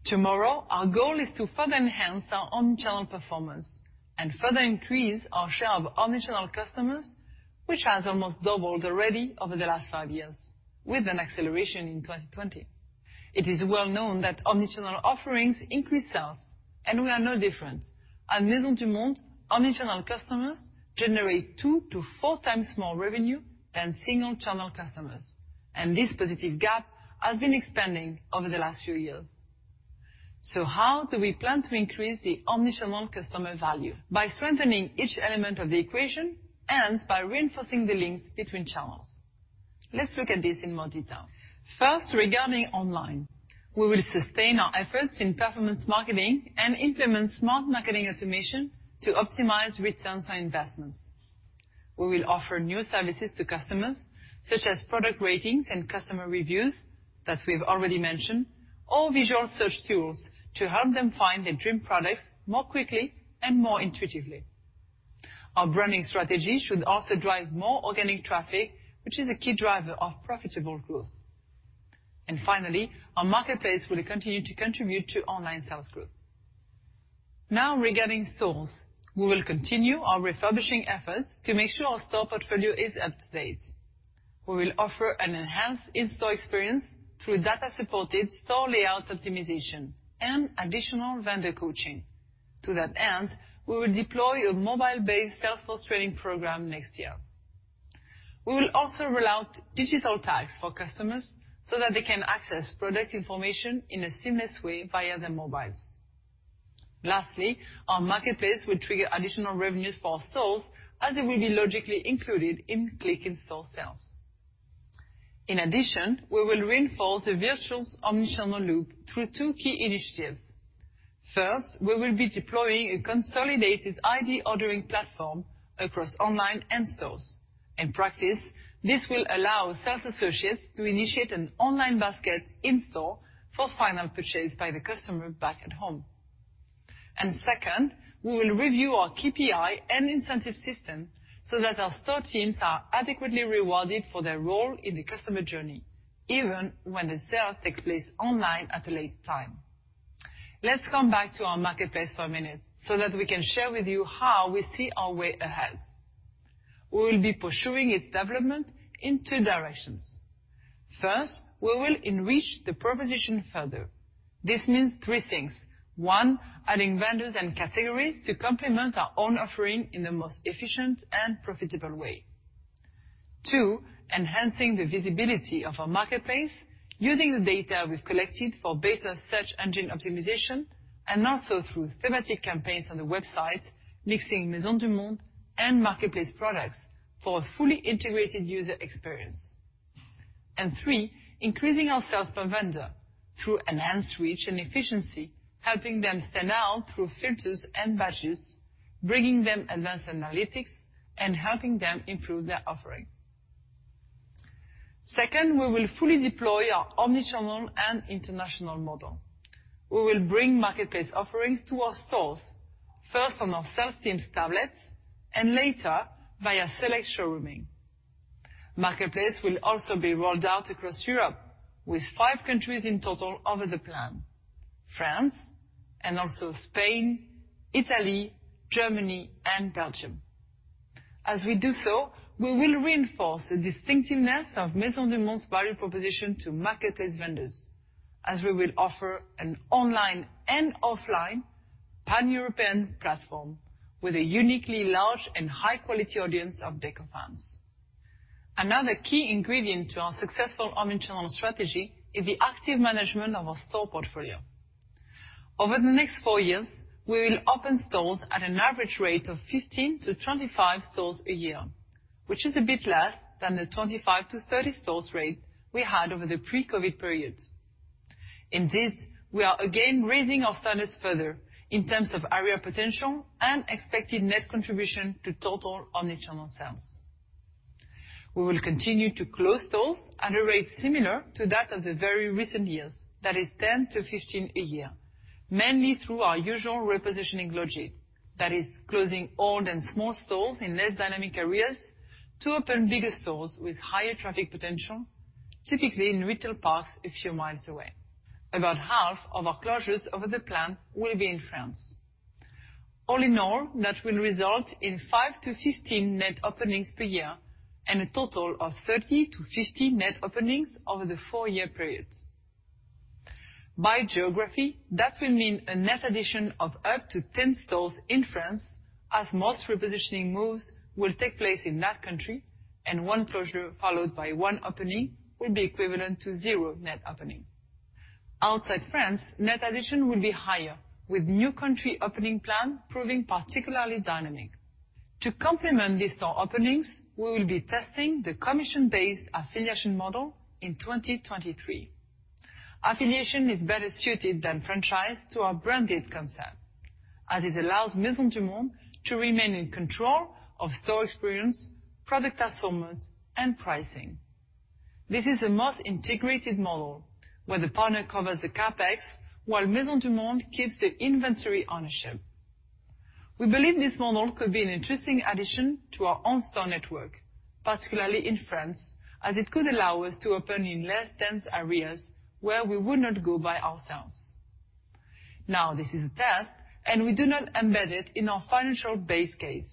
Tomorrow, our goal is to further enhance our omnichannel performance and further increase our share of omnichannel customers, which has almost doubled already over the last 5 years, with an acceleration in 2020. It is well known that omnichannel offerings increase sales, and we are no different. At Maisons du Monde, omnichannel customers generate 2-4 times more revenue than single-channel customers, and this positive gap has been expanding over the last few years. How do we plan to increase the omni-channel customer value? By strengthening each element of the equation and by reinforcing the links between channels. Let's look at this in more detail. First, regarding online, we will sustain our efforts in performance marketing and implement smart marketing automation to optimize returns on investments. We will offer new services to customers, such as product ratings and customer reviews that we've already mentioned, or visual search tools to help them find their dream products more quickly and more intuitively. Our branding strategy should also drive more organic traffic, which is a key driver of profitable growth. Finally, our marketplace will continue to contribute to online sales growth. Now, regarding stores, we will continue our refurbishing efforts to make sure our store portfolio is up to date. We will offer an enhanced in-store experience through data-supported store layout optimization and additional vendor coaching. To that end, we will deploy a mobile-based sales force training program next year. We will also roll out digital tags for customers so that they can access product information in a seamless way via their mobiles. Lastly, our marketplace will trigger additional revenues for our stores as it will be logically included in click-in-store sales. In addition, we will reinforce a virtual omnichannel loop through two key initiatives. First, we will be deploying a consolidated ID ordering platform across online and stores. In practice, this will allow sales associates to initiate an online basket in store for final purchase by the customer back at home. Second, we will review our KPI and incentive system so that our store teams are adequately rewarded for their role in the customer journey, even when the sale takes place online at a later time. Let's come back to our marketplace for a minute so that we can share with you how we see our way ahead. We will be pursuing its development in two directions. First, we will enrich the proposition further. This means three things. One, adding vendors and categories to complement our own offering in the most efficient and profitable way. Two, enhancing the visibility of our marketplace using the data we've collected for better search engine optimization and also through thematic campaigns on the website, mixing Maisons du Monde and marketplace products for a fully integrated user experience. Three, increasing our sales per vendor through enhanced reach and efficiency, helping them stand out through filters and badges, bringing them advanced analytics, and helping them improve their offering. Second, we will fully deploy our omnichannel and international model. We will bring marketplace offerings to our stores, first on our sales teams' tablets, and later, via select showrooming. Marketplace will also be rolled out across Europe with five countries in total over the plan, France, and also Spain, Italy, Germany, and Belgium. As we do so, we will reinforce the distinctiveness of Maisons du Monde's value proposition to marketplace vendors, as we will offer an online and offline Pan-European platform with a uniquely large and high-quality audience of deco fans. Another key ingredient to our successful omnichannel strategy is the active management of our store portfolio. Over the next four years, we will open stores at an average rate of 15-25 stores a year, which is a bit less than the 25-30 stores rate we had over the pre-COVID period. In this, we are again raising our standards further in terms of area potential and expected net contribution to total omnichannel sales. We will continue to close stores at a rate similar to that of the very recent years. That is 10-15 a year, mainly through our usual repositioning logic. That is closing old and small stores in less dynamic areas to open bigger stores with higher traffic potential, typically in retail parks a few miles away. About half of our closures over the plan will be in France. All in all, that will result in 5-15 net openings per year and a total of 30-50 net openings over the 4-year period. By geography, that will mean a net addition of up to 10 stores in France, as most repositioning moves will take place in that country, and one closure followed by one opening will be equivalent to zero net opening. Outside France, net addition will be higher, with new country opening plan proving particularly dynamic. To complement these store openings, we will be testing the commission-based affiliation model in 2023. Affiliation is better suited than franchise to our branded concept, as it allows Maisons du Monde to remain in control of store experience, product assortment, and pricing. This is a most integrated model, where the partner covers the CapEx while Maisons du Monde keeps the inventory ownership. We believe this model could be an interesting addition to our own store network, particularly in France, as it could allow us to open in less dense areas where we would not go by ourselves. Now this is a test, and we do not embed it in our financial base case.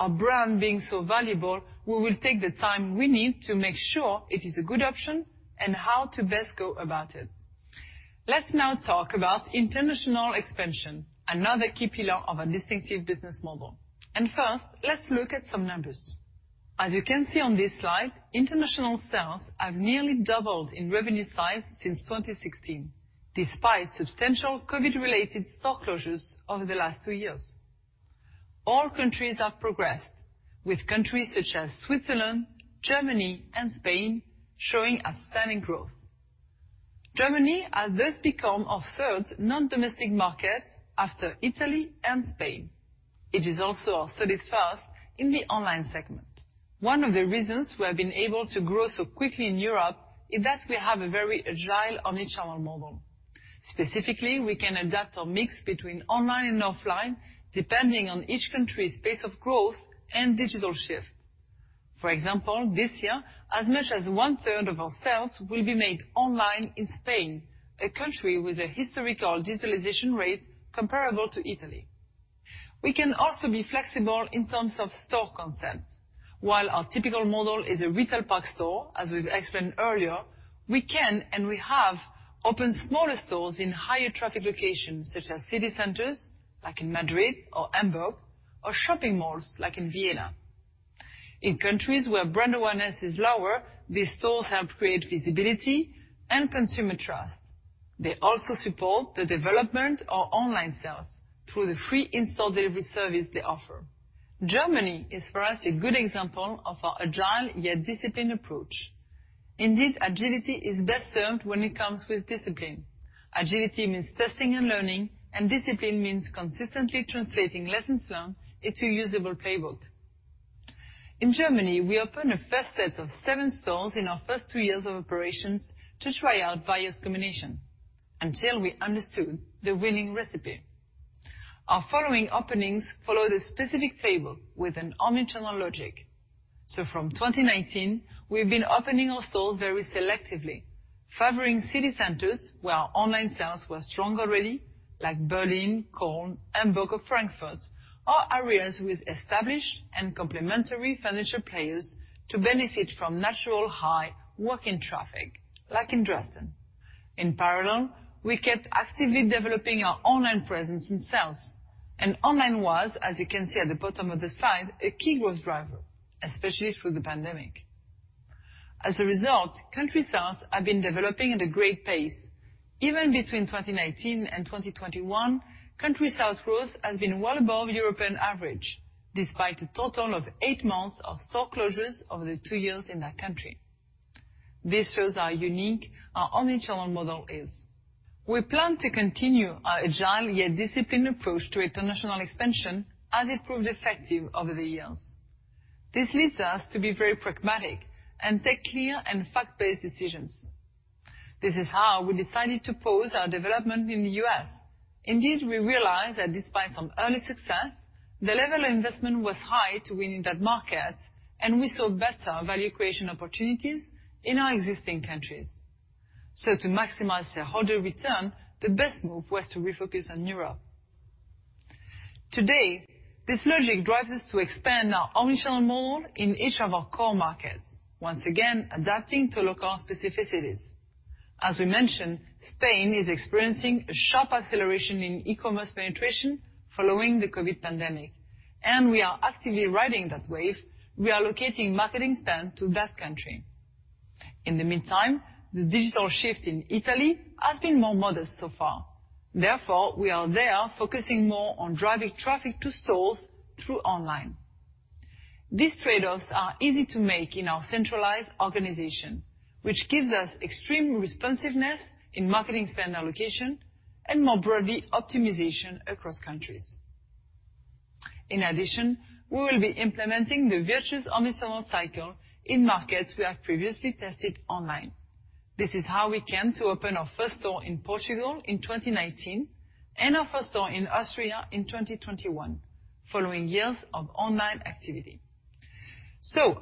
Our brand being so valuable, we will take the time we need to make sure it is a good option and how to best go about it. Let's now talk about international expansion, another key pillar of our distinctive business model. First, let's look at some numbers. As you can see on this slide, international sales have nearly doubled in revenue size since 2016, despite substantial COVID-related store closures over the last two years. All countries have progressed, with countries such as Switzerland, Germany, and Spain showing outstanding growth. Germany has thus become our third non-domestic market after Italy and Spain. It is also our solid first in the online segment. One of the reasons we have been able to grow so quickly in Europe is that we have a very agile omnichannel model. Specifically, we can adapt our mix between online and offline, depending on each country's pace of growth and digital shift. For example, this year, as much as one-third of our sales will be made online in Spain, a country with a historical digitalization rate comparable to Italy. We can also be flexible in terms of store concept. While our typical model is a retail park store, as we've explained earlier, we can, and we have, opened smaller stores in higher traffic locations such as city centers, like in Madrid or Hamburg, or shopping malls like in Vienna. In countries where brand awareness is lower, these stores help create visibility and consumer trust. They also support the development of online sales through the free in-store delivery service they offer. Germany is, for us, a good example of our agile yet disciplined approach. Indeed, agility is best served when it comes with discipline. Agility means testing and learning, and discipline means consistently translating lessons learned into usable playbook. In Germany, we opened a first set of seven stores in our first two years of operations to try out various combination until we understood the winning recipe. Our following openings followed a specific playbook with an omnichannel logic. From 2019, we've been opening our stores very selectively, favoring city centers where our online sales were strong already, like Berlin, Cologne, Hamburg, or Frankfurt, or areas with established and complementary furniture players to benefit from natural high walk-in traffic, like in Dresden. In parallel, we kept actively developing our online presence and sales. Online was, as you can see at the bottom of the slide, a key growth driver, especially through the pandemic. As a result, country sales have been developing at a great pace. Even between 2019 and 2021, country sales growth has been well above European average, despite a total of 8 months of store closures over the two years in that country. This shows how unique our omnichannel model is. We plan to continue our agile yet disciplined approach to international expansion as it proved effective over the years. This leads us to be very pragmatic and take clear and fact-based decisions. This is how we decided to pause our development in the U.S. Indeed, we realized that despite some early success, the level of investment was high to win in that market, and we saw better value creation opportunities in our existing countries. To maximize shareholder return, the best move was to refocus on Europe. Today, this logic drives us to expand our omnichannel model in each of our core markets, once again adapting to local specificities. As we mentioned, Spain is experiencing a sharp acceleration in e-commerce penetration following the COVID pandemic, and we are actively riding that wave. We are allocating marketing spend to that country. In the meantime, the digital shift in Italy has been more modest so far. Therefore, we are there focusing more on driving traffic to stores through online. These trade-offs are easy to make in our centralized organization, which gives us extreme responsiveness in marketing spend allocation and more broadly, optimization across countries. In addition, we will be implementing the virtuous omnichannel cycle in markets we have previously tested online. This is how we came to open our first store in Portugal in 2019 and our first store in Austria in 2021, following years of online activity.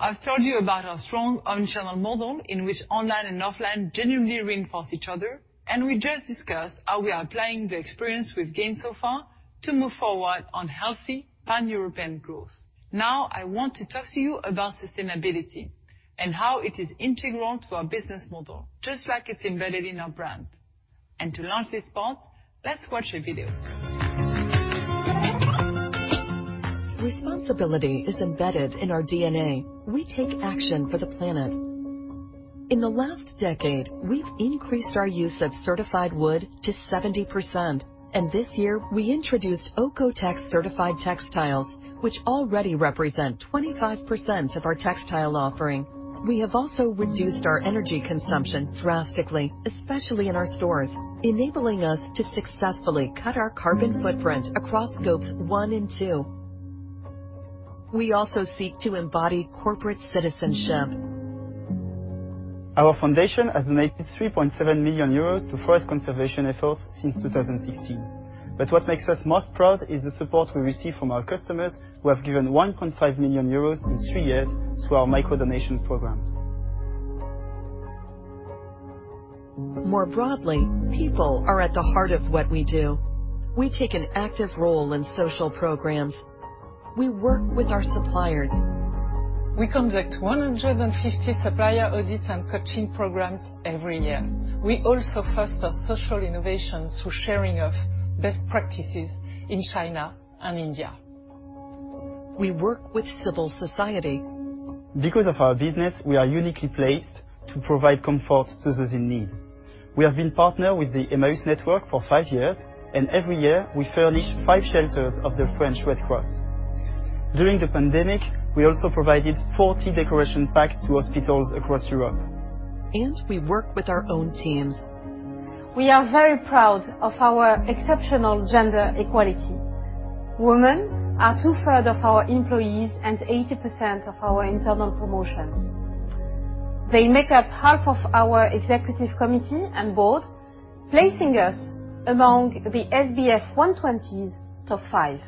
I've told you about our strong omnichannel model in which online and offline genuinely reinforce each other, and we just discussed how we are applying the experience we've gained so far to move forward on healthy pan-European growth. Now I want to talk to you about sustainability and how it is integral to our business model, just like it's embedded in our brand. To launch this part, let's watch a video. Responsibility is embedded in our DNA. We take action for the planet. In the last decade, we've increased our use of certified wood to 70%, and this year we introduced OEKO-TEX certified textiles, which already represent 25% of our textile offering. We have also reduced our energy consumption drastically, especially in our stores, enabling us to successfully cut our carbon footprint across Scope 1 and Scope 2. We also seek to embody corporate citizenship. Our foundation has donated 3.7 million euros to forest conservation efforts since 2015. What makes us most proud is the support we receive from our customers who have given 1.5 million euros in 3 years through our micro donation programs. More broadly, people are at the heart of what we do. We take an active role in social programs. We work with our suppliers. We conduct 150 supplier audits and coaching programs every year. We also foster social innovation through sharing of best practices in China and India. We work with civil society. Because of our business, we are uniquely placed to provide comfort to those in need. We have been partnered with the Emmaüs network for five years, and every year we furnish five shelters of the French Red Cross. During the pandemic, we also provided 40 dec oration packs to hospitals across Europe. We work with our own teams. We are very proud of our exceptional gender equality. Women are two-thirds of our employees and 80% of our internal promotions. They make up half of our executive committee and board, placing us among the SBF 120's top 5.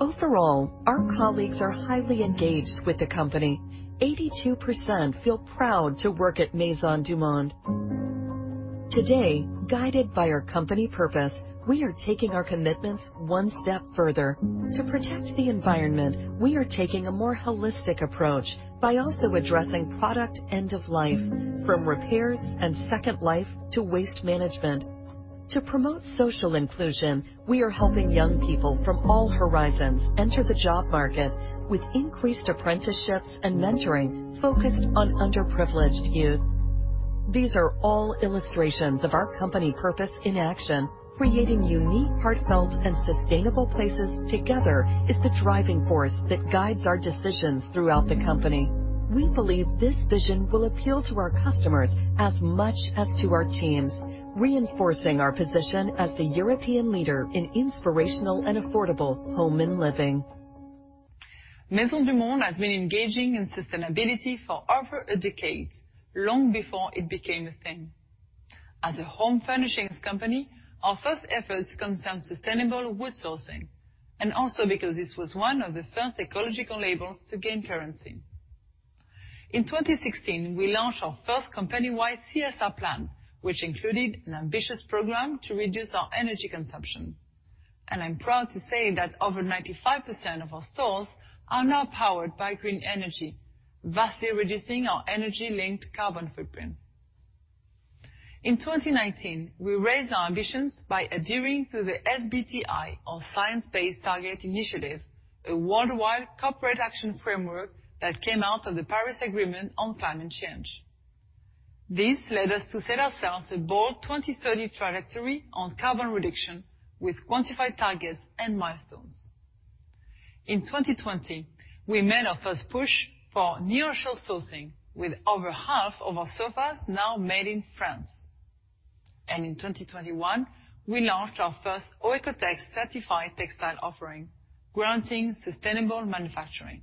Overall, our colleagues are highly engaged with the company. 82% feel proud to work at Maisons du Monde. Today, guided by our company purpose, we are taking our commitments one step further. To protect the environment, we are taking a more holistic approach by also addressing product end of life from repairs and second life to waste management. To promote social inclusion, we are helping young people from all horizons enter the job market with increased apprenticeships and mentoring focused on underprivileged youth. These are all illustrations of our company purpose in action. Creating unique, heartfelt and sustainable places together is the driving force that guides our decisions throughout the company. We believe this vision will appeal to our customers as much as to our teams, reinforcing our position as the European leader in inspirational and affordable home and living. Maisons du Monde has been engaging in sustainability for over a decade, long before it became a thing. As a home furnishings company, our first efforts concerned sustainable wood sourcing, and also because this was one of the first ecological labels to gain currency. In 2016, we launched our first company-wide CSR plan, which included an ambitious program to reduce our energy consumption. I'm proud to say that over 95% of our stores are now powered by green energy, vastly reducing our energy-linked carbon footprint. In 2019, we raised our ambitions by adhering to the SBTI or Science-Based Targets initiative, a worldwide corporate action framework that came out of the Paris Agreement on Climate Change. This led us to set ourselves a bold 2030 trajectory on carbon reduction with quantified targets and milestones. In 2020, we made our first push for nearshore sourcing, with over half of our sofas now made in France. In 2021, we launched our first OEKO-TEX certified textile offering, granting sustainable manufacturing.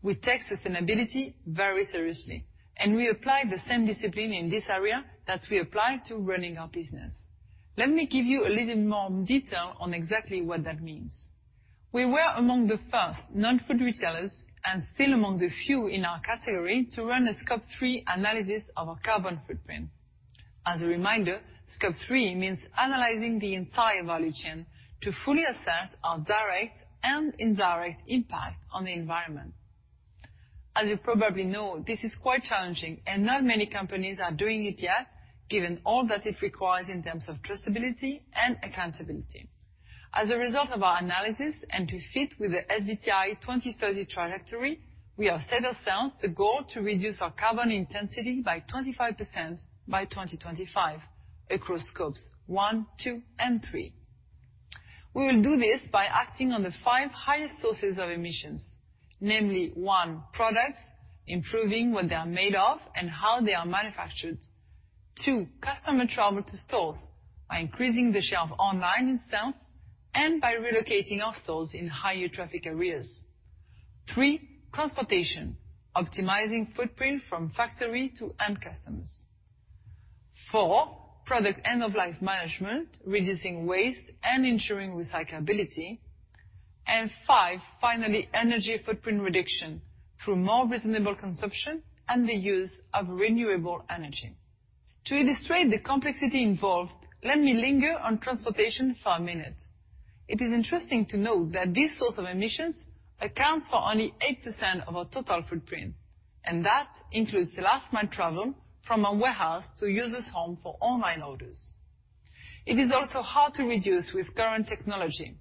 We take sustainability very seriously, and we apply the same discipline in this area that we apply to running our business. Let me give you a little more detail on exactly what that means. We were among the first non-food retailers, and still among the few in our category, to run a Scope 3 analysis of our carbon footprint. As a reminder, Scope 3 means analyzing the entire value chain to fully assess our direct and indirect impact on the environment. As you probably know, this is quite challenging and not many companies are doing it yet, given all that it requires in terms of traceability and accountability. As a result of our analysis and to fit with the SBTi 2030 trajectory, we have set ourselves the goal to reduce our carbon intensity by 25% by 2025 across Scope 1, Scope 2, and Scope 3. We will do this by acting on the 5 highest sources of emissions, namely, 1, products, improving what they are made of and how they are manufactured. 2, customer travel to stores by increasing the shelf online itself and by relocating our stores in higher traffic areas. 3, transportation, optimizing footprint from factory to end customers. 4, product end-of-life management, reducing waste and ensuring recyclability. 5, finally, energy footprint reduction through more reasonable consumption and the use of renewable energy. To illustrate the complexity involved, let me linger on transportation for a minute. It is interesting to note that this source of emissions accounts for only 8% of our total footprint, and that includes the last mile travel from a warehouse to user's home for online orders. It is also hard to reduce with current technology.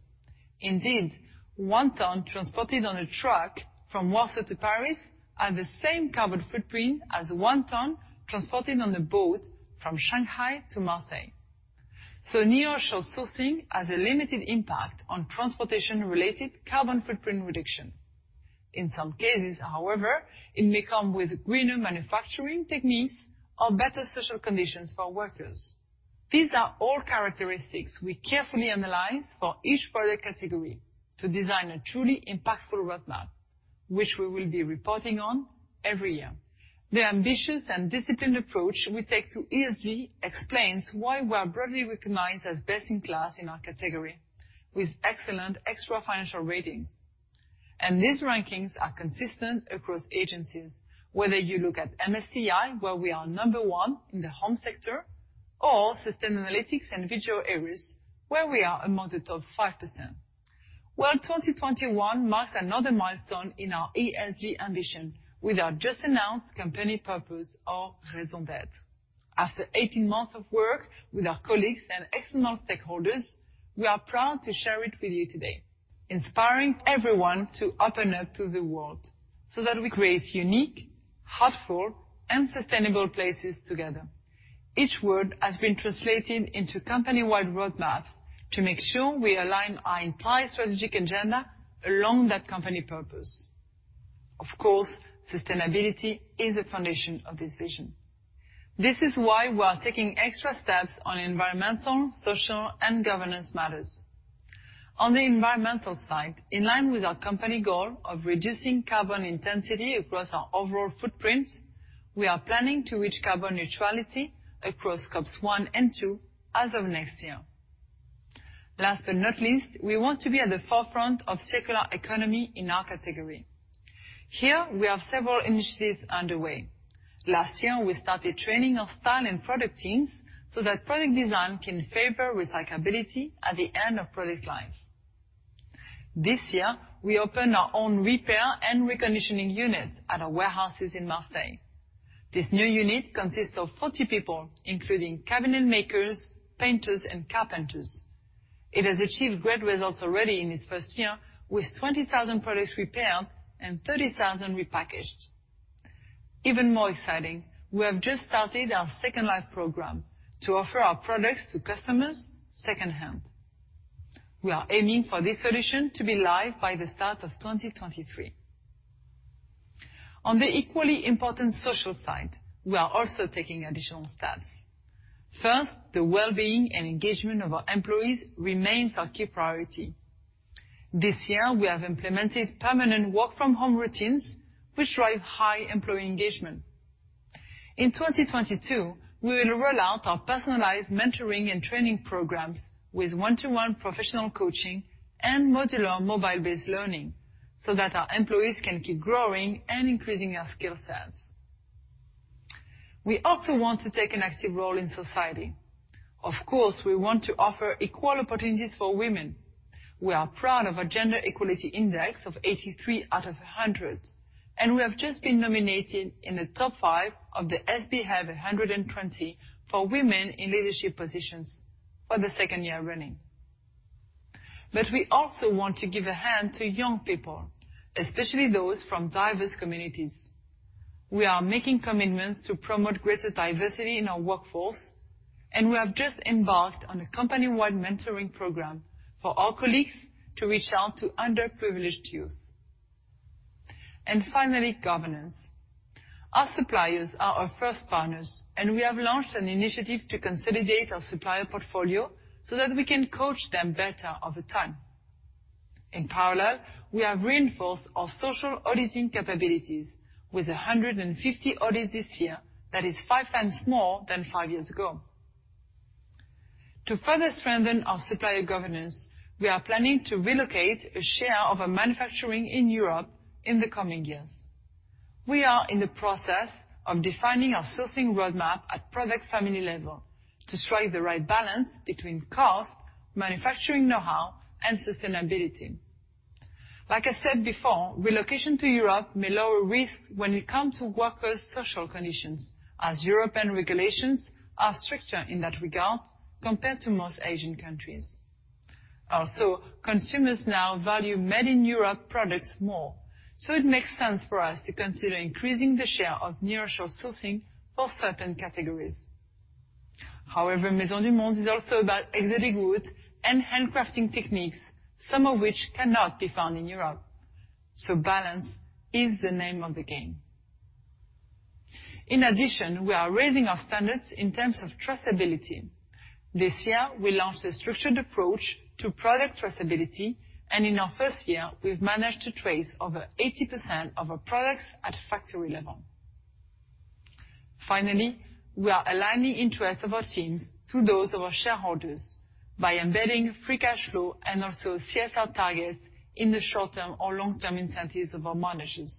Indeed, one ton transported on a truck from Warsaw to Paris has the same carbon footprint as one ton transported on the boat from Shanghai to Marseille. Nearshore sourcing has a limited impact on transportation-related carbon footprint reduction. In some cases, however, it may come with greener manufacturing techniques or better social conditions for workers. These are all characteristics we carefully analyze for each product category to design a truly impactful roadmap, which we will be reporting on every year. The ambitious and disciplined approach we take to ESG explains why we are broadly recognized as best in class in our category, with excellent extra-financial ratings. These rankings are consistent across agencies, whether you look at MSCI, where we are number 1 in the home sector, or Sustainalytics and Vigeo Eiris, where we are among the top 5%. Well, 2021 marks another milestone in our ESG ambition with our just announced company purpose, our raison d'être. After 18 months of work with our colleagues and external stakeholders, we are proud to share it with you today, inspiring everyone to open up to the world so that we create unique, heartfelt, and sustainable places together. Each word has been translated into company-wide roadmaps to make sure we align our entire strategic agenda along that company purpose. Of course, sustainability is a foundation of this vision. This is why we are taking extra steps on environmental, social, and governance matters. On the environmental side, in line with our company goal of reducing carbon intensity across our overall footprint, we are planning to reach carbon neutrality across Scope 1 and Scope 2 as of next year. Last but not least, we want to be at the forefront of circular economy in our category. Here, we have several initiatives underway. Last year, we started training our style and product teams so that product design can favor recyclability at the end of product life. This year, we opened our own repair and reconditioning unit at our warehouses in Marseille. This new unit consists of 40 people, including cabinet makers, painters, and carpenters. It has achieved great results already in its first year with 20,000 products repaired and 30,000 repackaged. Even more exciting, we have just started our Second Life program to offer our products to customers secondhand. We are aiming for this solution to be live by the start of 2023. On the equally important social side, we are also taking additional steps. First, the well-being and engagement of our employees remains our key priority. This year, we have implemented permanent work from home routines, which drive high employee engagement. In 2022, we will roll out our personalized mentoring and training programs with one-to-one professional coaching and modular mobile-based learning so that our employees can keep growing and increasing their skill sets. We also want to take an active role in society. Of course, we want to offer equal opportunities for women. We are proud of our gender equality index of 83 out of 100, and we have just been nominated in the top five of the SBF 120 for women in leadership positions for the second year running. We also want to give a hand to young people, especially those from diverse communities. We are making commitments to promote greater diversity in our workforce, and we have just embarked on a company-wide mentoring program for our colleagues to reach out to underprivileged youth. Finally, governance. Our suppliers are our first partners, and we have launched an initiative to consolidate our supplier portfolio so that we can coach them better over time. In parallel, we have reinforced our social auditing capabilities with 150 audits this year. That is five times more than five years ago. To further strengthen our supplier governance, we are planning to relocate a share of our manufacturing in Europe in the coming years. We are in the process of defining our sourcing roadmap at product family level to strike the right balance between cost, manufacturing know-how, and sustainability. Like I said before, relocation to Europe may lower risk when it comes to workers' social conditions, as European regulations are stricter in that regard compared to most Asian countries. Also, consumers now value Made in Europe products more, so it makes sense for us to consider increasing the share of nearshore sourcing for certain categories. However, Maisons du Monde is also about exotic wood and handcrafting techniques, some of which cannot be found in Europe. So balance is the name of the game. In addition, we are raising our standards in terms of traceability. This year, we launched a structured approach to product traceability, and in our first year, we've managed to trace over 80% of our products at factory level. Finally, we are aligning interest of our teams to those of our shareholders by embedding free cash flow and also CSR targets in the short-term or long-term incentives of our managers.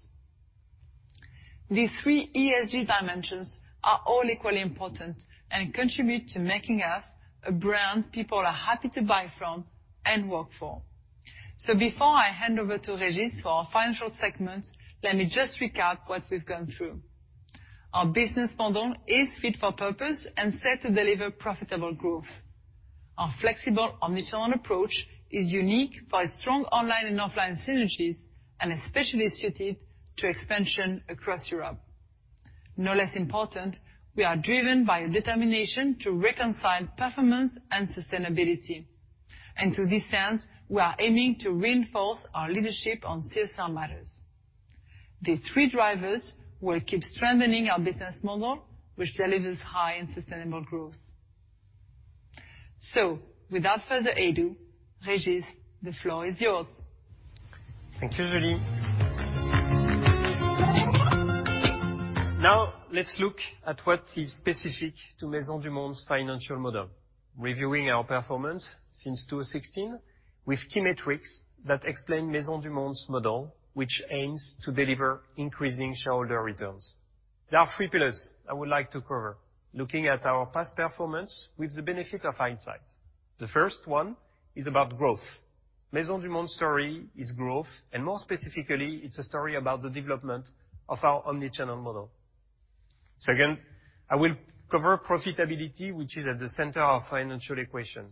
These three ESG dimensions are all equally important and contribute to making us a brand people are happy to buy from and work for. Before I hand over to Régis for our financial segment, let me just recap what we've gone through. Our business model is fit for purpose and set to deliver profitable growth. Our flexible omnichannel approach is unique by strong online and offline synergies, and especially suited to expansion across Europe. No less important, we are driven by a determination to reconcile performance and sustainability, and to this end, we are aiming to reinforce our leadership on CSR matters. These three drivers will keep strengthening our business model, which delivers high and sustainable growth. Without further ado, Régis, the floor is yours. Thank you, Julie. Now let's look at what is specific to Maisons du Monde's financial model, reviewing our performance since 2016 with key metrics that explain Maisons du Monde's model, which aims to deliver increasing shareholder returns. There are three pillars I would like to cover, looking at our past performance with the benefit of hindsight. The first one is about growth. Maisons du Monde story is growth, and more specifically, it's a story about the development of our omnichannel model. Second, I will cover profitability, which is at the center of financial equation.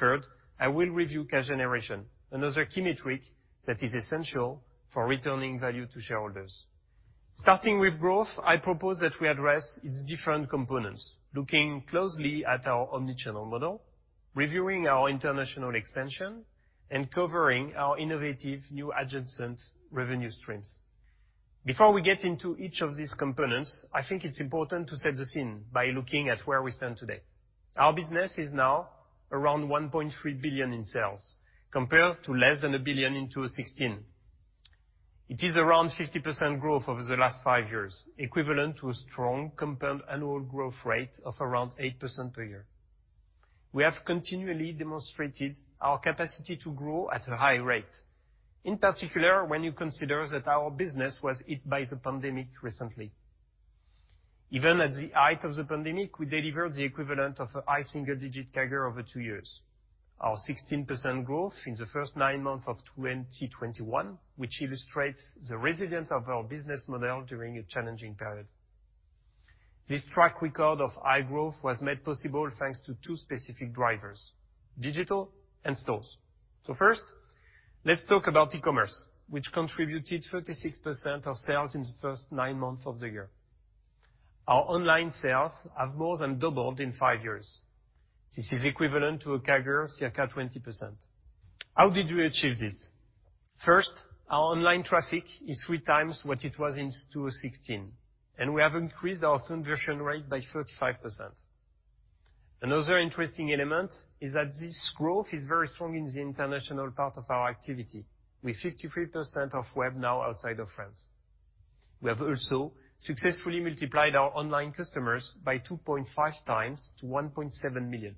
Third, I will review cash generation, another key metric that is essential for returning value to shareholders. Starting with growth, I propose that we address its different components, looking closely at our omnichannel model, reviewing our international expansion, and covering our innovative new adjacent revenue streams. Before we get into each of these components, I think it's important to set the scene by looking at where we stand today. Our business is now around 1.3 billion in sales compared to less than 1 billion in 2016. It is around 50% growth over the last five years, equivalent to a strong compound annual growth rate of around 8% per year. We have continually demonstrated our capacity to grow at a high rate, in particular, when you consider that our business was hit by the pandemic recently. Even at the height of the pandemic, we delivered the equivalent of a high single digit CAGR over 2 years. Our 16% growth in the first 9 months of 2022, which illustrates the resilience of our business model during a challenging period. This track record of high growth was made possible thanks to two specific drivers, digital and stores. First, let's talk about e-commerce, which contributed 36% of sales in the first nine months of the year. Our online sales have more than doubled in five years. This is equivalent to a CAGR circa 20%. How did we achieve this? First, our online traffic is three times what it was in 2016, and we have increased our conversion rate by 35%. Another interesting element is that this growth is very strong in the international part of our activity, with 53% of web now outside of France. We have also successfully multiplied our online customers by 2.5 times to 1.7 million.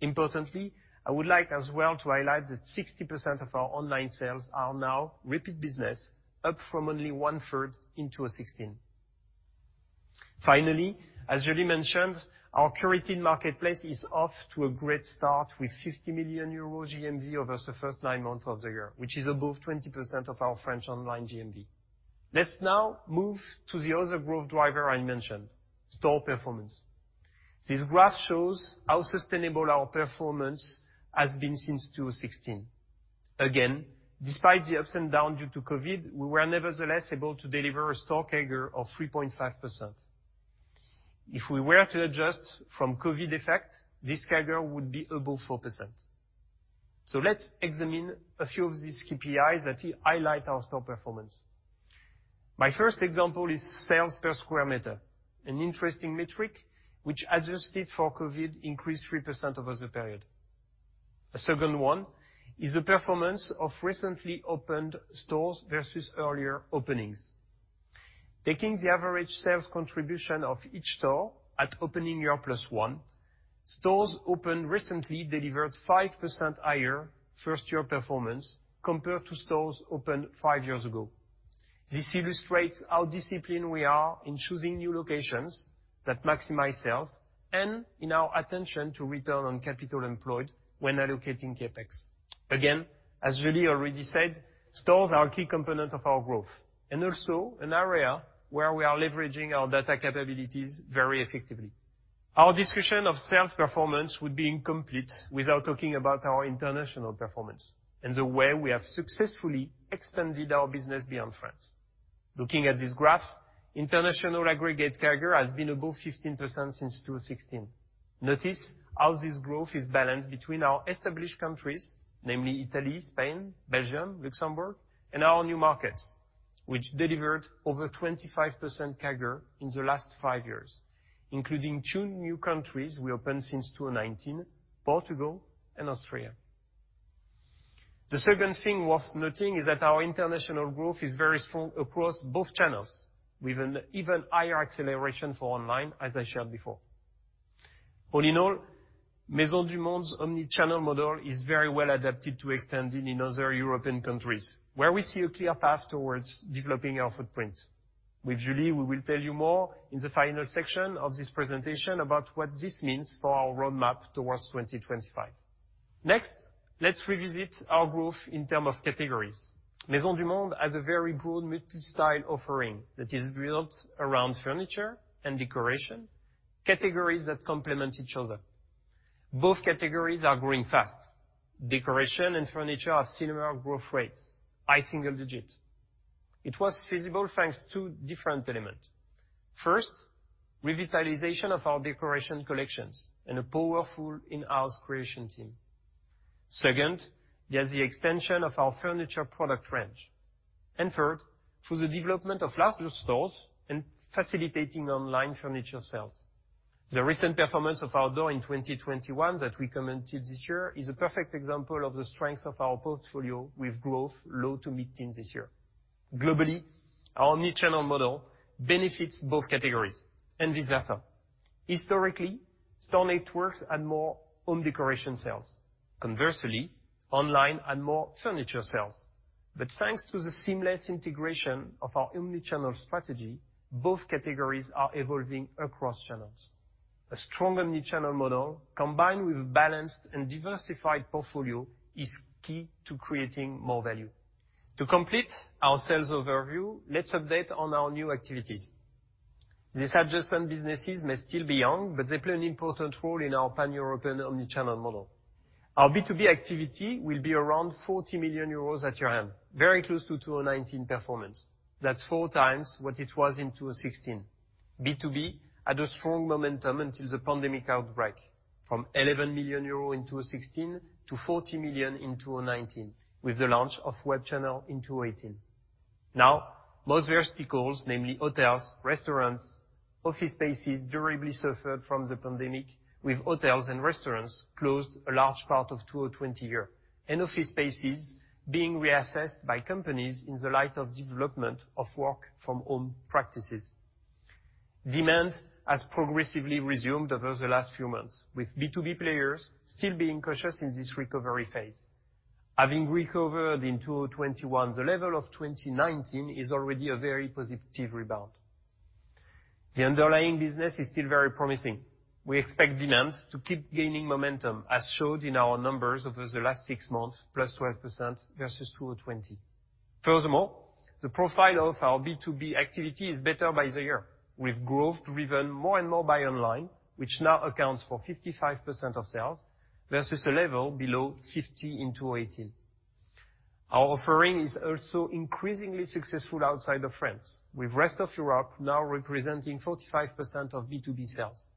Importantly, I would like as well to highlight that 60% of our online sales are now repeat business, up from only one-third in 2016. Finally, as Julie mentioned, our curated marketplace is off to a great start with 50 million euros GMV over the first nine months of the year, which is above 20% of our French online GMV. Let's now move to the other growth driver I mentioned, store performance. This graph shows how sustainable our performance has been since 2016. Again, despite the ups and downs due to COVID, we were nevertheless able to deliver a store CAGR of 3.5%. If we were to adjust from COVID effect, this CAGR would be above 4%. Let's examine a few of these KPIs that highlight our store performance. My first example is sales per square meter, an interesting metric which, adjusted for COVID, increased 3% over the period. The second one is the performance of recently opened stores versus earlier openings. Taking the average sales contribution of each store at opening year plus one, stores opened recently delivered 5% higher first-year performance compared to stores opened 5 years ago. This illustrates how disciplined we are in choosing new locations that maximize sales and in our attention to return on capital employed when allocating CapEx. Again, as Julie already said, stores are a key component of our growth and also an area where we are leveraging our data capabilities very effectively. Our discussion of sales performance would be incomplete without talking about our international performance and the way we have successfully extended our business beyond France. Looking at this graph, international aggregate CAGR has been above 15% since 2016. Notice how this growth is balanced between our established countries, namely Italy, Spain, Belgium, Luxembourg, and our new markets, which delivered over 25% CAGR in the last five years, including two new countries we opened since 2019, Portugal and Austria. The second thing worth noting is that our international growth is very strong across both channels, with an even higher acceleration for online as I shared before. All in all, Maisons du Monde's omnichannel model is very well adapted to extending in other European countries, where we see a clear path towards developing our footprint. With Julie, we will tell you more in the final section of this presentation about what this means for our roadmap towards 2025. Next, let's revisit our growth in terms of categories. Maisons du Monde has a very good multi-style offering that is built around furniture and decoration, categories that complement each other. Both categories are growing fast. Decoration and furniture have similar growth rates, high single-digit%. It was feasible thanks to two different elements. First, revitalization of our decoration collections and a powerful in-house creation team. Second, there's the extension of our furniture product range. Third, through the development of larger stores and facilitating online furniture sales. The recent performance of outdoor in 2021 that we commented this year is a perfect example of the strength of our portfolio with growth low- to mid-teens% this year. Globally, our omnichannel model benefits both categories and vice versa. Historically, store networks had more home decoration sales. Conversely, online had more furniture sales. Thanks to the seamless integration of our omnichannel strategy, both categories are evolving across channels. A strong omni-channel model combined with balanced and diversified portfolio is key to creating more value. To complete our sales overview, let's update on our new activities. These adjacent businesses may still be young, but they play an important role in our pan-European omni-channel model. Our B2B activity will be around 40 million euros at year-end, very close to 2019 performance. That's four times what it was in 2016. B2B had a strong momentum until the pandemic outbreak, from 11 million euro in 2016 to 40 million in 2019 with the launch of web channel in 2018. Now, most verticals, namely hotels, restaurants, office spaces, durably suffered from the pandemic with hotels and restaurants closed a large part of 2020, and office spaces being reassessed by companies in the light of development of work from home practices. Demand has progressively resumed over the last few months, with B2B players still being cautious in this recovery phase. Having recovered in 2021, the level of 2019 is already a very positive rebound. The underlying business is still very promising. We expect demand to keep gaining momentum, as showed in our numbers over the last six months, +12% versus 2020. Furthermore, the profile of our B2B activity is better by the year, with growth driven more and more by online, which now accounts for 55% of sales versus a level below 50 in 2018. Our offering is also increasingly successful outside of France, with rest of Europe now representing 45% of B2B sales.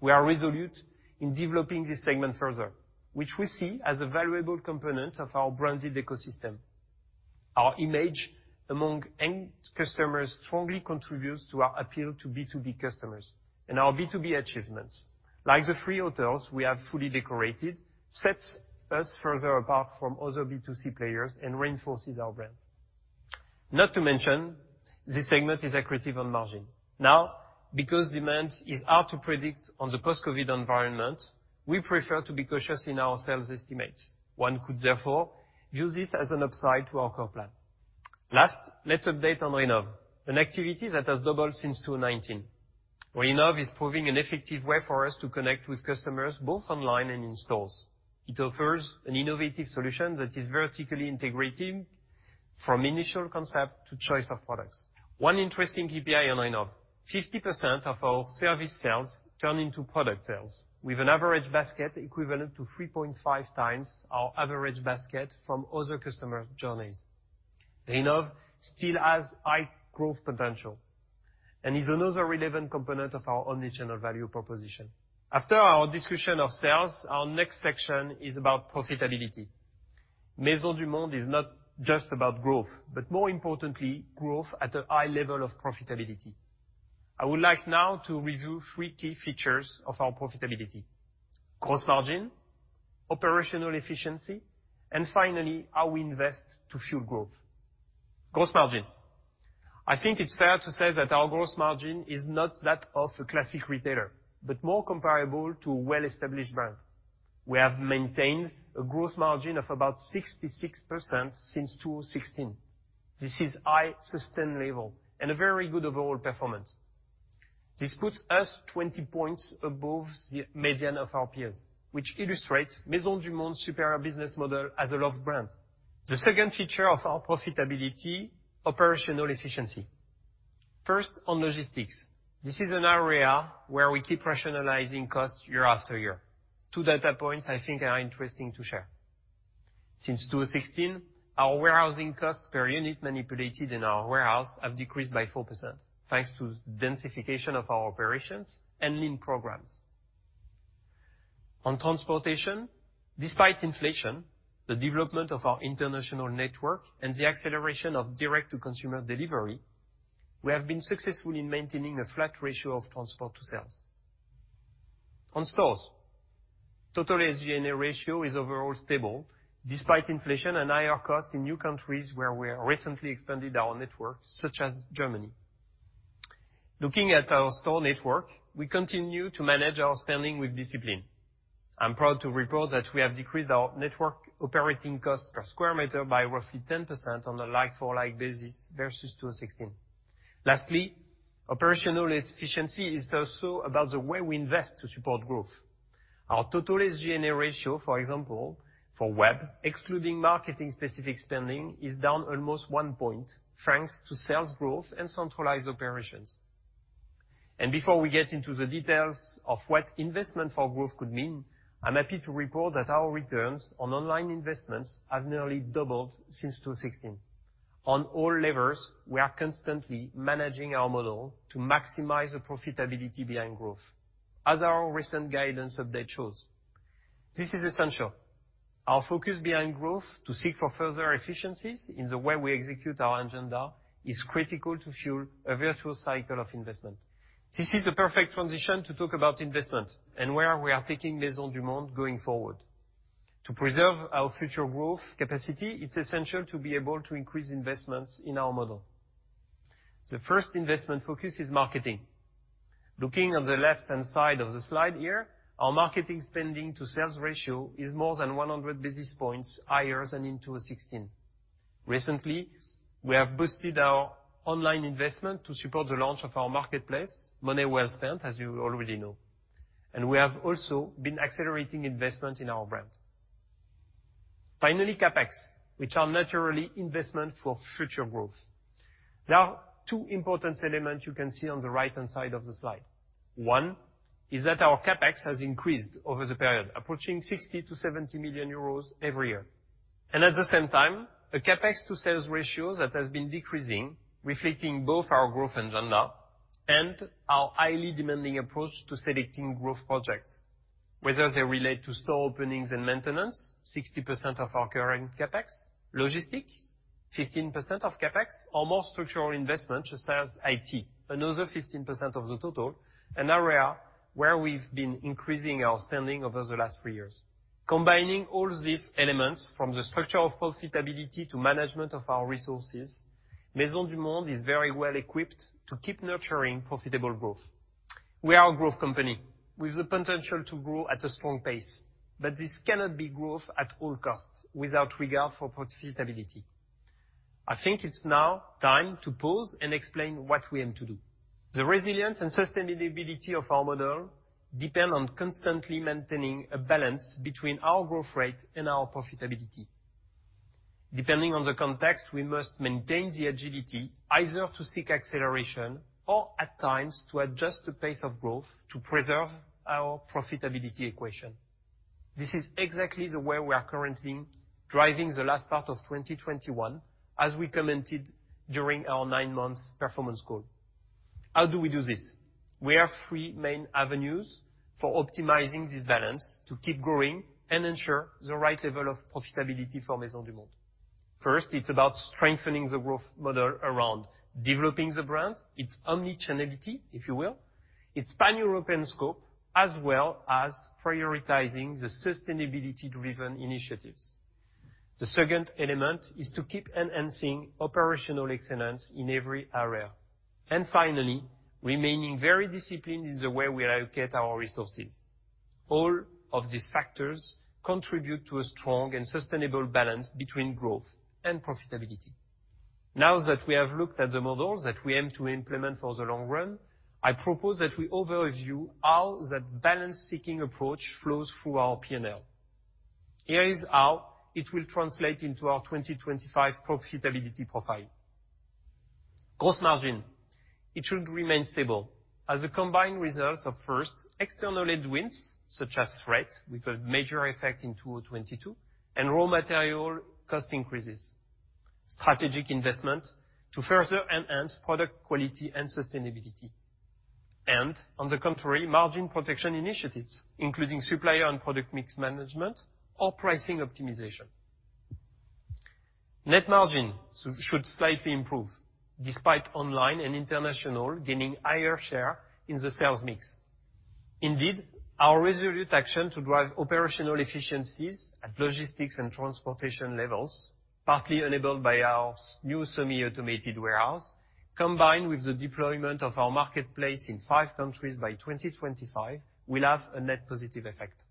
We are resolute in developing this segment further, which we see as a valuable component of our branded ecosystem. Our image among end customers strongly contributes to our appeal to B2B customers and our B2B achievements. Like the three hotels we have fully decorated sets us further apart from other B2C players and reinforces our brand. Not to mention, this segment is accretive on margin. Now, because demand is hard to predict on the post-COVID environment, we prefer to be cautious in our sales estimates. One could therefore view this as an upside to our core plan. Last, let's update on Rhinov, an activity that has doubled since 2019. Rhinov is proving an effective way for us to connect with customers both online and in stores. It offers an innovative solution that is vertically integrated from initial concept to choice of products. One interesting KPI online of 50% of our service sales turn into product sales with an average basket equivalent to 3.5 times our average basket from other customer journeys. Innov still has high growth potential and is another relevant component of our omnichannel value proposition. After our discussion of sales, our next section is about profitability. Maisons du Monde is not just about growth, but more importantly, growth at a high level of profitability. I would like now to review three key features of our profitability. Gross margin, operational efficiency, and finally, how we invest to fuel growth. Gross margin. I think it's fair to say that our gross margin is not that of a classic retailer, but more comparable to a well-established brand. We have maintained a gross margin of about 66% since 2016. This is high sustained level and a very good overall performance. This puts us 20 points above the median of our peers, which illustrates Maisons du Monde's superior business model as a loved brand. The second feature of our profitability is operational efficiency. First, on logistics. This is an area where we keep rationalizing costs year after year. Two data points I think are interesting to share. Since 2016, our warehousing costs per unit manipulated in our warehouse have decreased by 4%, thanks to densification of our operations and lean programs. On transportation, despite inflation, the development of our international network and the acceleration of direct-to-consumer delivery, we have been successful in maintaining a flat ratio of transport to sales. On stores, total SG&A ratio is overall stable despite inflation and higher costs in new countries where we have recently expanded our network, such as Germany. Looking at our store network, we continue to manage our spending with discipline. I'm proud to report that we have decreased our network operating cost per sq m by roughly 10% on a like-for-like basis versus 2016. Lastly, operational efficiency is also about the way we invest to support growth. Our total SG&A ratio, for example, for web, excluding marketing specific spending, is down almost 1 point, thanks to sales growth and centralized operations. Before we get into the details of what investment for growth could mean, I'm happy to report that our returns on online investments have nearly doubled since 2016. On all levels, we are constantly managing our model to maximize the profitability behind growth, as our recent guidance update shows. This is essential. Our focus beyond growth to seek for further efficiencies in the way we execute our agenda is critical to fuel a virtuous cycle of investment. This is the perfect transition to talk about investment and where we are taking Maisons du Monde going forward. To preserve our future growth capacity, it's essential to be able to increase investments in our model. The first investment focus is marketing. Looking on the left-hand side of the slide here, our marketing spending to sales ratio is more than 100 basis points higher than in 2016. Recently, we have boosted our online investment to support the launch of our marketplace, money well spent, as you already know. We have also been accelerating investment in our brand. Finally, CapEx, which are naturally investment for future growth. There are two important elements you can see on the right-hand side of the slide. One is that our CapEx has increased over the period, approaching 60 million-70 million euros every year. At the same time, a CapEx to sales ratio that has been decreasing, reflecting both our growth agenda and our highly demanding approach to selecting growth projects, whether they relate to store openings and maintenance, 60% of our current CapEx, logistics, 15% of CapEx, or more structural investments such as IT, another 15% of the total, an area where we've been increasing our spending over the last 3 years. Combining all these elements from the structure of profitability to management of our resources, Maisons du Monde is very well equipped to keep nurturing profitable growth. We are a growth company with the potential to grow at a strong pace, but this cannot be growth at all costs without regard for profitability. I think it's now time to pause and explain what we aim to do. The resilience and sustainability of our model depend on constantly maintaining a balance between our growth rate and our profitability. Depending on the context, we must maintain the agility either to seek acceleration or at times to adjust the pace of growth to preserve our profitability equation. This is exactly the way we are currently driving the last part of 2021, as we commented during our nine-month performance call. How do we do this? We have three main avenues for optimizing this balance to keep growing and ensure the right level of profitability for Maisons du Monde. First, it's about strengthening the growth model around developing the brand, its omnichannelity, if you will, its pan-European scope, as well as prioritizing the sustainability-driven initiatives. The second element is to keep enhancing operational excellence in every area. Finally, remaining very disciplined in the way we allocate our resources. All of these factors contribute to a strong and sustainable balance between growth and profitability. Now that we have looked at the models that we aim to implement for the long run, I propose that we overview how that balance-seeking approach flows through our P&L. Here is how it will translate into our 2025 profitability profile. Gross margin, it should remain stable as a combined result of, first, external headwinds, such as freight, with a major effect in 2022, and raw material cost increases, strategic investment to further enhance product quality and sustainability. On the contrary, margin protection initiatives, including supplier and product mix management or pricing optimization. Net margin should slightly improve despite online and international gaining higher share in the sales mix. Indeed, our resolute action to drive operational efficiencies at logistics and transportation levels, partly enabled by our new semi-automated warehouse, combined with the deployment of our marketplace in five countries by 2025, will have a net positive effect.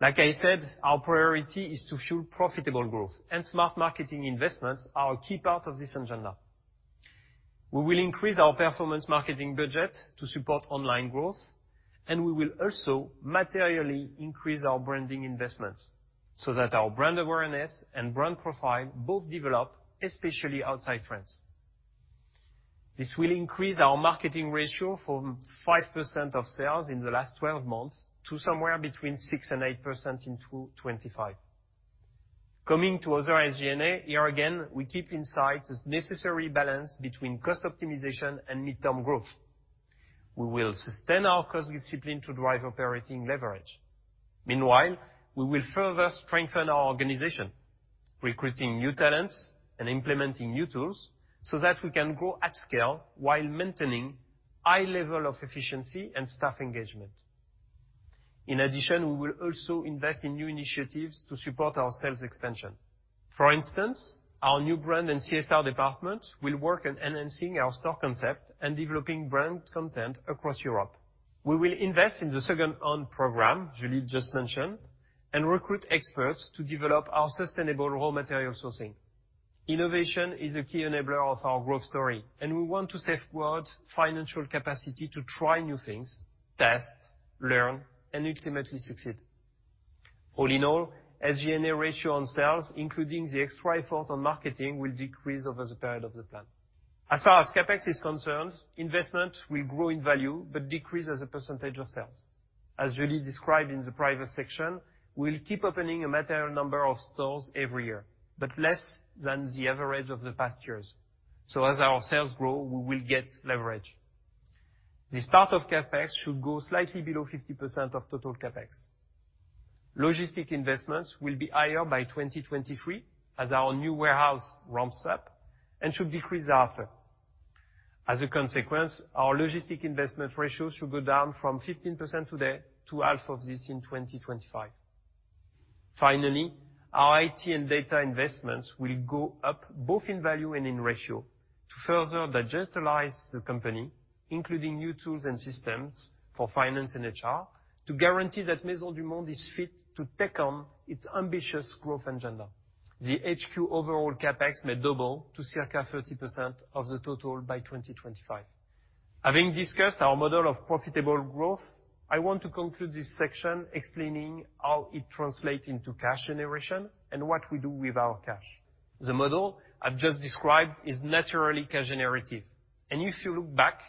Like I said, our priority is to fuel profitable growth, and smart marketing investments are a key part of this agenda. We will increase our performance marketing budget to support online growth, and we will also materially increase our branding investments so that our brand awareness and brand profile both develop, especially outside France. This will increase our marketing ratio from 5% of sales in the last 12 months to somewhere between 6%-8% in 2025. Coming to other SG&A, here again, we keep in sight the necessary balance between cost optimization and midterm growth. We will sustain our cost discipline to drive operating leverage. Meanwhile, we will further strengthen our organization, recruiting new talents and implementing new tools so that we can grow at scale while maintaining high level of efficiency and staff engagement. In addition, we will also invest in new initiatives to support our sales expansion. For instance, our new brand and CSR department will work on enhancing our store concept and developing brand content across Europe. We will invest in the Second Life program Julie just mentioned, and recruit experts to develop our sustainable raw material sourcing. Innovation is a key enabler of our growth story, and we want to safeguard financial capacity to try new things, test, learn, and ultimately succeed. All in all, SG&A ratio on sales, including the extra effort on marketing, will decrease over the period of the plan. As far as CapEx is concerned, investment will grow in value but decrease as a percentage of sales. As Julie described in the prior section, we'll keep opening a smaller number of stores every year, but less than the average of the past years. As our sales grow, we will get leverage. Store CapEx should go slightly below 50% of total CapEx. Logistics investments will be higher by 2023, as our new warehouse ramps up and should decrease after. As a consequence, our logistics investment ratio should go down from 15% today to half of this in 2025. Finally, our IT and data investments will go up both in value and in ratio to further digitalize the company, including new tools and systems for finance and HR, to guarantee that Maisons du Monde is fit to take on its ambitious growth agenda. HQ overall CapEx may double to circa 30% of the total by 2025. Having discussed our model of profitable growth, I want to conclude this section explaining how it translates into cash generation and what we do with our cash. The model I've just described is naturally cash generative, and if you look back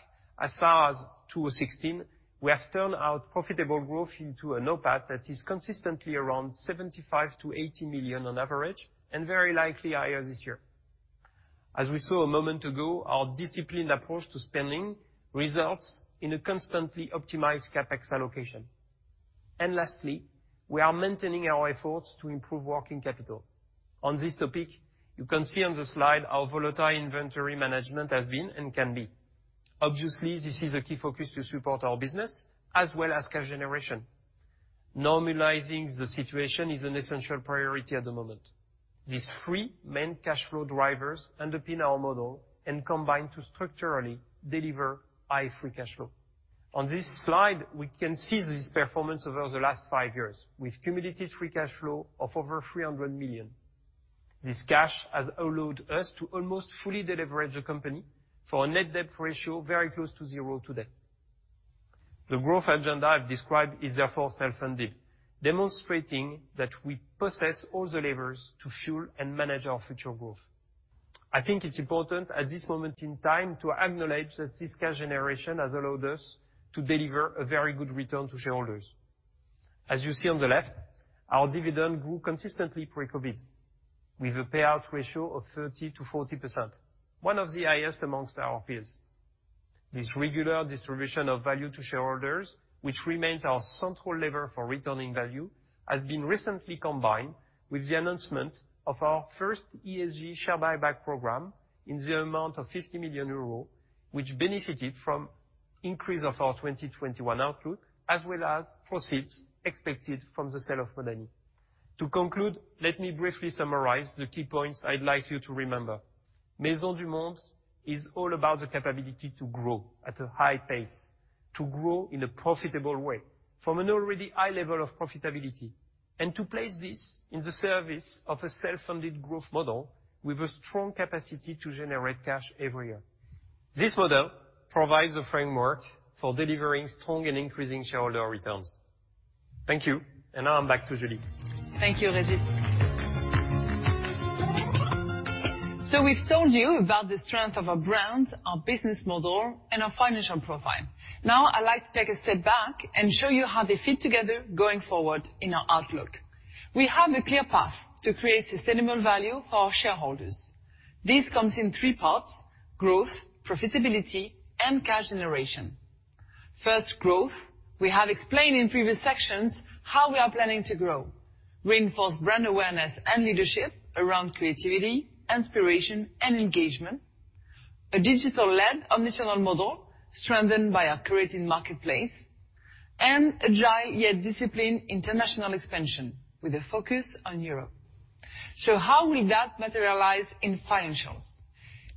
as far as 2016, we have turned our profitable growth into a NOPAT that is consistently around 75 million-80 million on average and very likely higher this year. As we saw a moment ago, our disciplined approach to spending results in a constantly optimized CapEx allocation. Lastly, we are maintaining our efforts to improve working capital. On this topic, you can see on the slide our volatile inventory management has been and can be. Obviously, this is a key focus to support our business as well as cash generation. Normalizing the situation is an essential priority at the moment. These three main cash flow drivers underpin our model and combine to structurally deliver high free cash flow. On this slide, we can see this performance over the last 5 years with cumulative free cash flow of over 300 million. This cash has allowed us to almost fully deleverage the company for a net debt ratio very close to zero today. The growth agenda I've described is therefore self-funded, demonstrating that we possess all the levers to fuel and manage our future growth. I think it's important at this moment in time to acknowledge that this cash generation has allowed us to deliver a very good return to shareholders. As you see on the left, our dividend grew consistently pre-COVID, with a payout ratio of 30%-40%, one of the highest amongst our peers. This regular distribution of value to shareholders, which remains our central lever for returning value, has been recently combined with the announcement of our first ESG share buyback program in the amount of 50 million euros, which benefited from increase of our 2021 outlook, as well as proceeds expected from the sale of Modani. To conclude, let me briefly summarize the key points I'd like you to remember. Maisons du Monde is all about the capability to grow at a high pace, to grow in a profitable way from an already high level of profitability. To place this in the service of a self-funded growth model with a strong capacity to generate cash every year. This model provides a framework for delivering strong and increasing shareholder returns. Thank you. Now I'm back to Julie. Thank you, Régis. We've told you about the strength of our brand, our business model, and our financial profile. Now I'd like to take a step back and show you how they fit together going forward in our outlook. We have a clear path to create sustainable value for our shareholders. This comes in three parts, growth, profitability, and cash generation. First, growth. We have explained in previous sections how we are planning to grow. Reinforce brand awareness and leadership around creativity, inspiration, and engagement. A digital-led omnichannel model strengthened by our curated marketplace, and agile yet disciplined international expansion with a focus on Europe. How will that materialize in financials?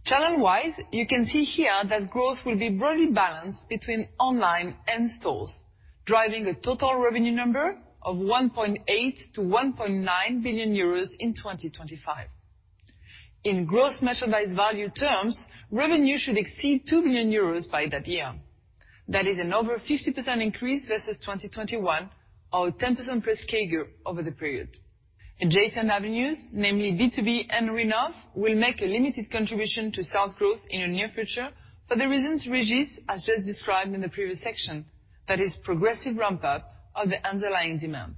Channel-wise, you can see here that growth will be broadly balanced between online and stores, driving a total revenue number of 1.8 billion-1.9 billion euros in 2025. In gross merchandise value terms, revenue should exceed 2 billion euros by that year. That is an over 50% increase versus 2021, or a 10%+ CAGR over the period. Adjacent avenues, namely B2B and Rhinov, will make a limited contribution to sales growth in the near future for the reasons Régis has just described in the previous section. That is progressive ramp up of the underlying demand.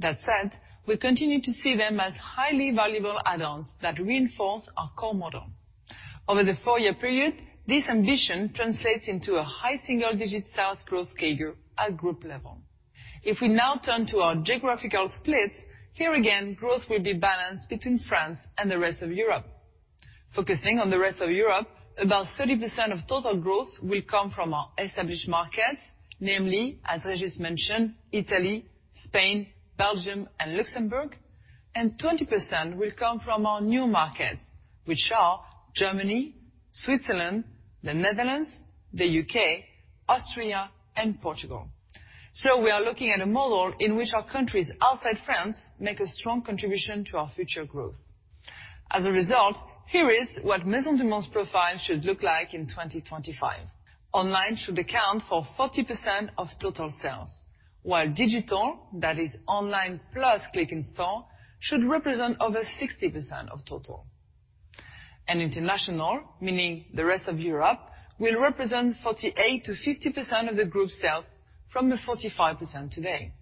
That said, we continue to see them as highly valuable add-ons that reinforce our core model. Over the four-year period, this ambition translates into a high single-digit sales growth CAGR at group level. If we now turn to our geographical split, here again, growth will be balanced between France and the rest of Europe. Focusing on the rest of Europe, about 30% of total growth will come from our established markets, namely, as Régis mentioned, Italy, Spain, Belgium, and Luxembourg. Twenty percent will come from our new markets, which are Germany, Switzerland, the Netherlands, the U.K., Austria, and Portugal. We are looking at a model in which our countries outside France make a strong contribution to our future growth. As a result, here is what Maisons du Monde's profile should look like in 2025. Online should account for 40% of total sales, while digital, that is online plus click and store, should represent over 60% of total. International, meaning the rest of Europe, will represent 48%-50% of the group sales from the 45% today.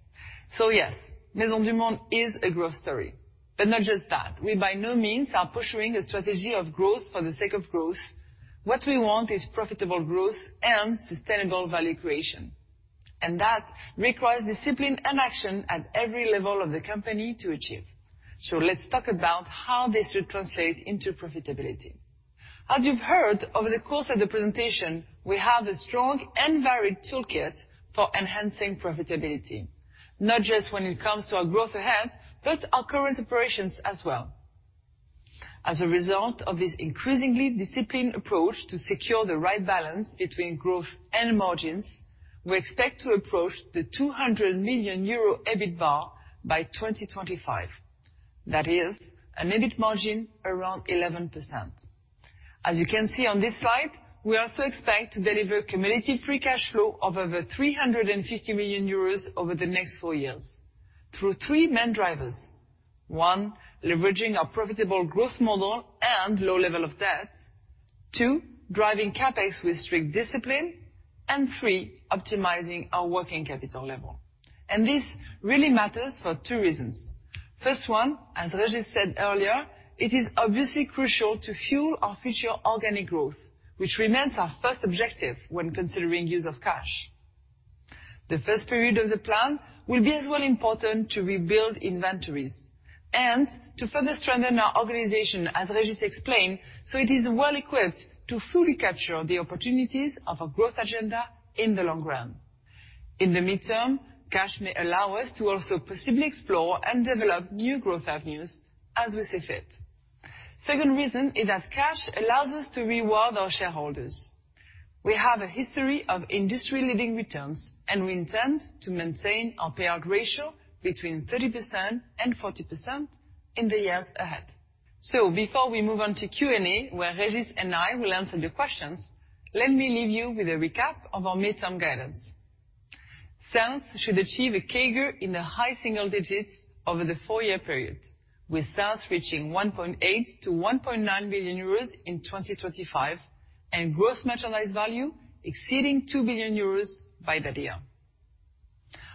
Yes, Maisons du Monde is a growth story. Not just that. We by no means are pursuing a strategy of growth for the sake of growth. What we want is profitable growth and sustainable value creation, and that requires discipline and action at every level of the company to achieve. Let's talk about how this should translate into profitability. As you've heard over the course of the presentation, we have a strong and varied toolkit for enhancing profitability, not just when it comes to our growth ahead, but our current operations as well. As a result of this increasingly disciplined approach to secure the right balance between growth and margins, we expect to approach the 200 million euro EBIT bar by 2025. That is an EBIT margin around 11%. As you can see on this slide, we also expect to deliver cumulative free cash flow of over 350 million euros over the next four years through three main drivers. One, leveraging our profitable growth model and low level of debt. Two, driving CapEx with strict discipline. Three, optimizing our working capital level. This really matters for two reasons. First one, as Régis said earlier, it is obviously crucial to fuel our future organic growth, which remains our first objective when considering use of cash. The first period of the plan will be as well important to rebuild inventories and to further strengthen our organization, as Régis explained, so it is well equipped to fully capture the opportunities of our growth agenda in the long run. In the midterm, cash may allow us to also possibly explore and develop new growth avenues as we see fit. Second reason is that cash allows us to reward our shareholders. We have a history of industry-leading returns, and we intend to maintain our payout ratio between 30% and 40% in the years ahead. Before we move on to Q&A, where Régis and I will answer the questions, let me leave you with a recap of our midterm guidance. Sales should achieve a CAGR in the high single digits over the four-year period, with sales reaching 1.8 billion-1.9 billion euros in 2025 and gross merchandise value exceeding 2 billion euros by that year.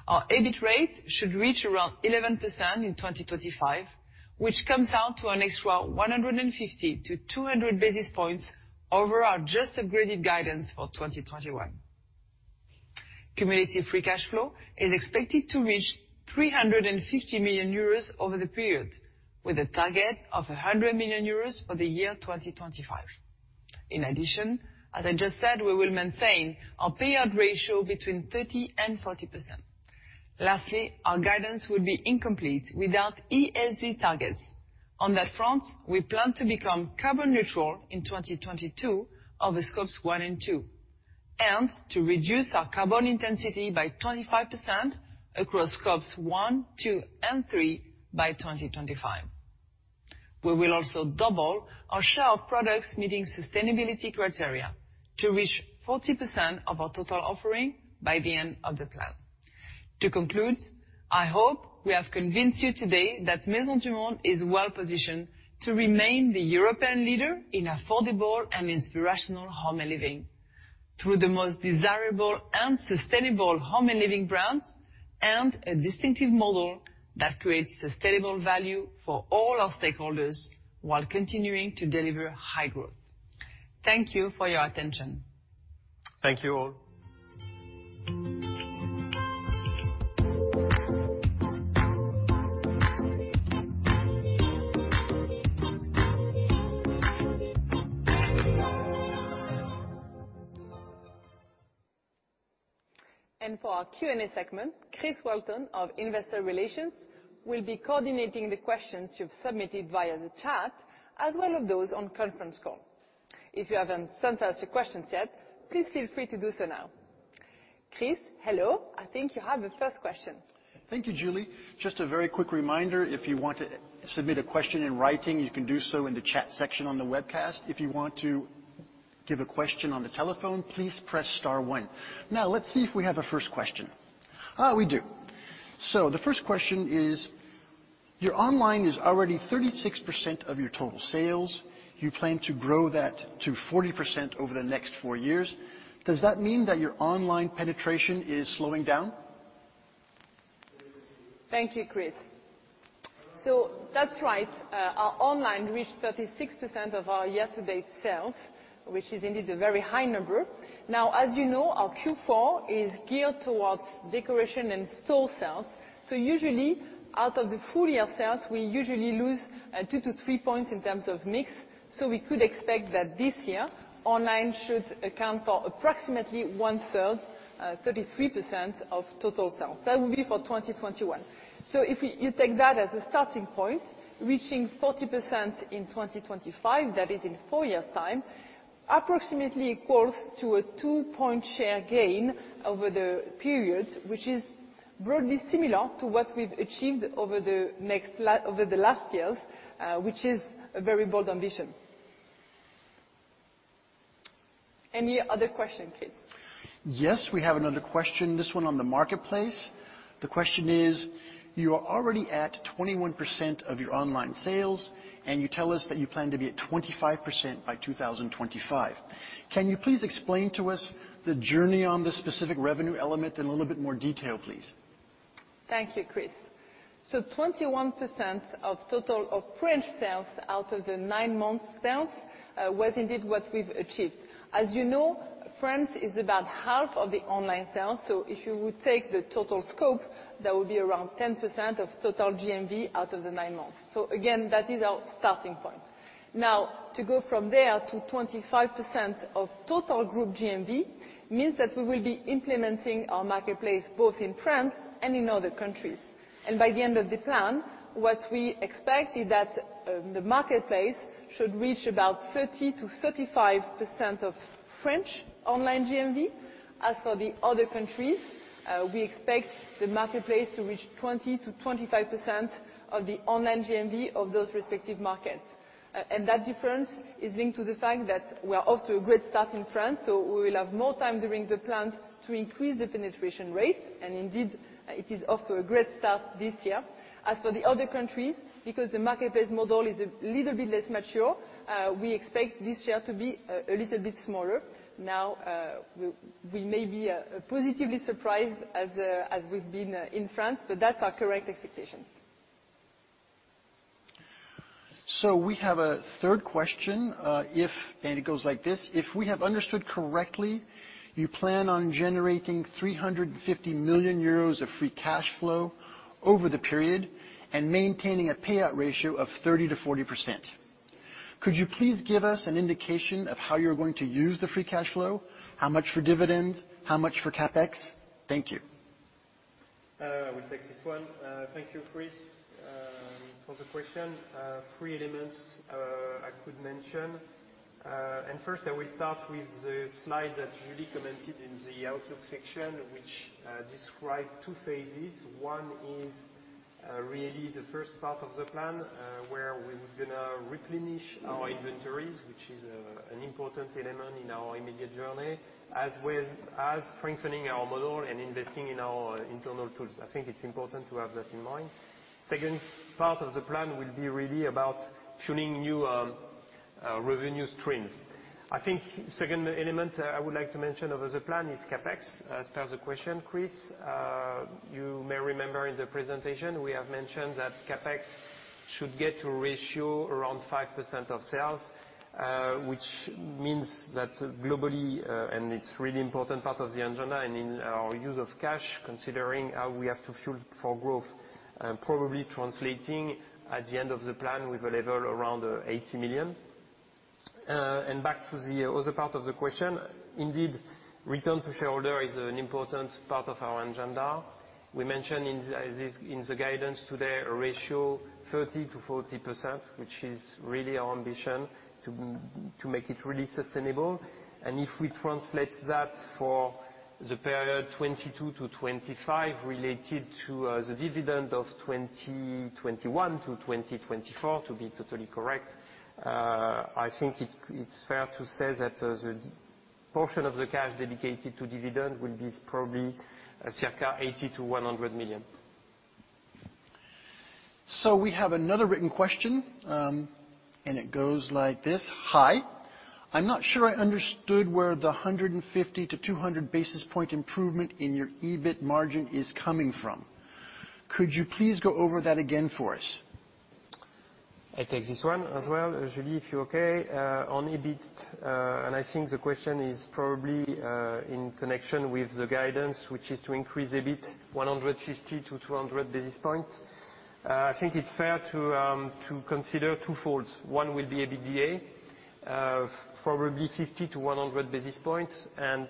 Our EBIT rate should reach around 11% in 2025, which comes out to an extra 150-200 basis points over our just upgraded guidance for 2021. Cumulative free cash flow is expected to reach 350 million euros over the period, with a target of 100 million euros for the year 2025. In addition, as I just said, we will maintain our payout ratio between 30% and 40%. Lastly, our guidance would be incomplete without ESG targets. On that front, we plan to become carbon neutral in 2022 over Scope 1 and Scope 2. To reduce our carbon intensity by 25% across Scope 1, Scope 2, and Scope 3 by 2025. We will also double our share of products meeting sustainability criteria to reach 40% of our total offering by the end of the plan. To conclude, I hope we have convinced you today that Maisons du Monde is well-positioned to remain the European leader in affordable and inspirational home and living through the most desirable and sustainable home and living brands, and a distinctive model that creates sustainable value for all our stakeholders while continuing to deliver high growth. Thank you for your attention. Thank you all. For our Q&A segment, Christopher Welton of Investor Relations will be coordinating the questions you've submitted via the chat, as well as those on conference call. If you haven't sent us your questions yet, please feel free to do so now. Chris, hello. I think you have a first question. Thank you, Julie. Just a very quick reminder, if you want to submit a question in writing, you can do so in the chat section on the webcast. If you want to give a question on the telephone, please press star one. Now, let's see if we have a first question. We do. The first question is, your online is already 36% of your total sales. You plan to grow that to 40% over the next 4 years. Does that mean that your online penetration is slowing down? Thank you, Chris. That's right. Our online reached 36% of our year-to-date sales, which is indeed a very high number. Now, as you know, our Q4 is geared towards decoration and store sales. Usually out of the full year sales, we usually lose 2-3 points in terms of mix. We could expect that this year online should account for approximately 1/3, 33% of total sales. That will be for 2021. If you take that as a starting point, reaching 40% in 2025, that is in 4 years' time, approximately equals to a 2-point share gain over the period, which is broadly similar to what we've achieved over the last years, which is a very bold ambition. Any other question, Chris? Yes, we have another question. This one on the marketplace. The question is, you are already at 21% of your online sales, and you tell us that you plan to be at 25% by 2025. Can you please explain to us the journey on this specific revenue element in a little bit more detail, please? Thank you, Chris. Twenty-one percent of total French sales out of the 9-month sales was indeed what we've achieved. As you know, France is about half of the online sales, so if you would take the total scope, that would be around 10% of total GMV out of the 9 months. Again, that is our starting point. Now, to go from there to 25% of total group GMV means that we will be implementing our marketplace both in France and in other countries. By the end of the plan, what we expect is that the marketplace should reach about 30%-35% of French online GMV. As for the other countries, we expect the marketplace to reach 20%-25% of the online GMV of those respective markets. That difference is linked to the fact that we are off to a great start in France, so we will have more time during the plan to increase the penetration rate. Indeed, it is off to a great start this year. As for the other countries, because the marketplace model is a little bit less mature, we expect this year to be a little bit smaller. Now, we may be positively surprised as we've been in France, but that's our correct expectations. We have a third question. If we have understood correctly, you plan on generating 350 million euros of free cash flow over the period and maintaining a payout ratio of 30%-40%. Could you please give us an indication of how you're going to use the free cash flow? How much for dividends? How much for CapEx? Thank you. I will take this one. Thank you, Chris, for the question. Three elements I could mention. First I will start with the slide that Julie commented in the outlook section, which describe two phases. One is really the first part of the plan, where we're gonna replenish our inventories, which is an important element in our immediate journey, as well as strengthening our model and investing in our internal tools. I think it's important to have that in mind. Second part of the plan will be really about turning to new revenue streams. I think second element I would like to mention of the plan is CapEx. As per the question, Chris, you may remember in the presentation we have mentioned that CapEx should get to ratio around 5% of sales, which means that globally, and it's really important part of the agenda and in our use of cash, considering how we have to fuel for growth, probably translating at the end of the plan with a level around 80 million. Back to the other part of the question. Indeed, return to shareholder is an important part of our agenda. We mentioned in this, in the guidance today a ratio 30%-40%, which is really our ambition to make it really sustainable. If we translate that for the period 2022 to 2025 related to the dividend of 2021 to 2024, to be totally correct, I think it's fair to say that the portion of the cash dedicated to dividend will be probably circa 80 million-100 million. We have another written question, and it goes like this: "Hi. I'm not sure I understood where the 150-200 basis points improvement in your EBIT margin is coming from. Could you please go over that again for us? I take this one as well, Julie, if you're okay. On EBIT, I think the question is probably in connection with the guidance, which is to increase a bit 150-200 basis points. I think it's fair to consider twofold. One will be EBITDA, probably 50-100 basis points. In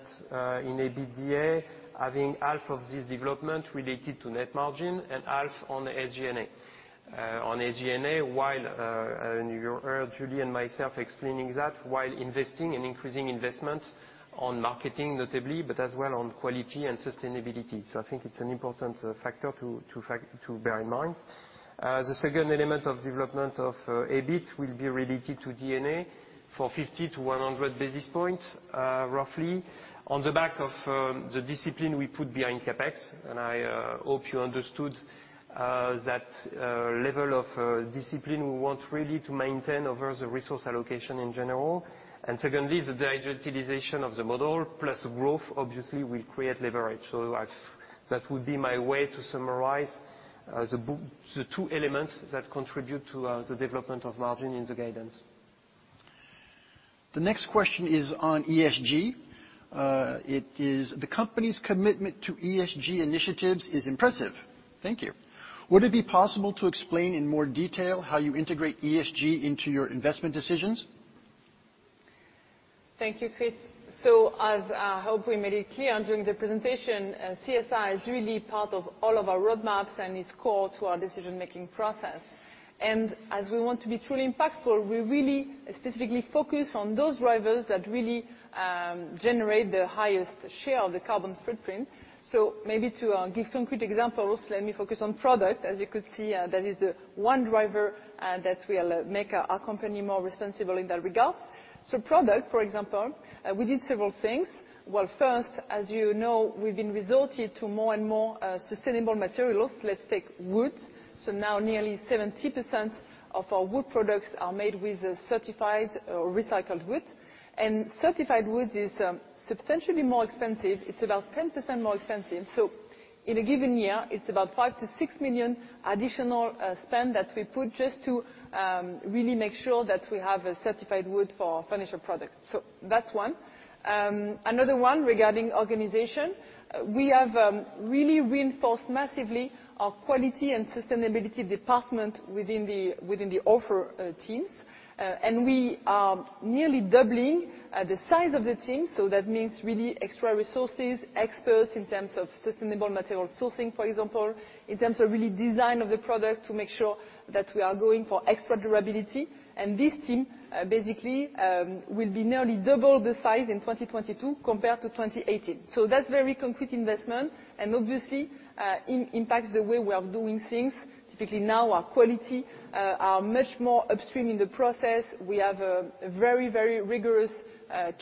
EBITDA, having half of this development related to net margin and half on the SG&A. On SG&A, you heard Julie and myself explaining that while investing and increasing investment on marketing notably, but as well on quality and sustainability. I think it's an important factor to bear in mind. The second element of development of EBIT will be related to D&A for 50-100 basis points, roughly, on the back of the discipline we put behind CapEx. I hope you understood that level of discipline we want really to maintain over the resource allocation in general. Secondly, the digitalization of the model plus growth obviously will create leverage. That would be my way to summarize the two elements that contribute to the development of margin in the guidance. The next question is on ESG. It is, "The company's commitment to ESG initiatives is impressive." Thank you. "Would it be possible to explain in more detail how you integrate ESG into your investment decisions? Thank you, Chris. I hope we made it clear during the presentation. CSR is really part of all of our roadmaps and is core to our decision-making process. We want to be truly impactful. We really specifically focus on those drivers that really generate the highest share of the carbon footprint. Maybe to give concrete examples, let me focus on product. As you could see, that is one driver that will make our company more responsible in that regard. Product, for example, we did several things. Well, first, as you know, we've been resorted to more and more sustainable materials. Let's take wood. Now nearly 70% of our wood products are made with a certified or recycled wood. Certified wood is substantially more expensive. It's about 10% more expensive. In a given year, it's about 5 million-6 million additional spend that we put just to really make sure that we have a certified wood for our furniture products. That's one. Another one regarding organization, we have really reinforced massively our quality and sustainability department within the offer teams. We are nearly doubling the size of the team, so that means really extra resources, experts in terms of sustainable material sourcing, for example, in terms of really design of the product to make sure that we are going for extra durability. This team basically will be nearly double the size in 2022 compared to 2018. That's very concrete investment, and obviously impacts the way we are doing things. Typically now our quality are much more upstream in the process. We have a very rigorous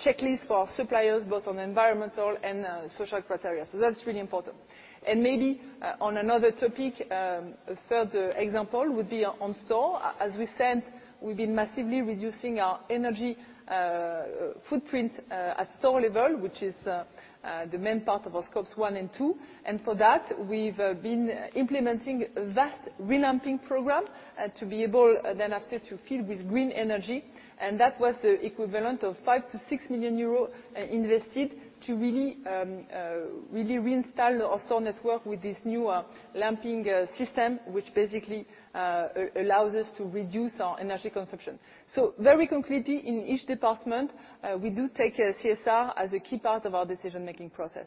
checklist for our suppliers, both on environmental and social criteria. That's really important. Maybe on another topic, a third example would be on store. As we said, we've been massively reducing our energy footprint at store level, which is the main part of our Scope 1 and 2. For that, we've been implementing a vast relamping program to be able then after to fill with green energy. That was the equivalent of 5 million-6 million euros invested to really reinstall our store network with this new lamping system, which basically allows us to reduce our energy consumption. Very concretely in each department, we do take CSR as a key part of our decision-making process.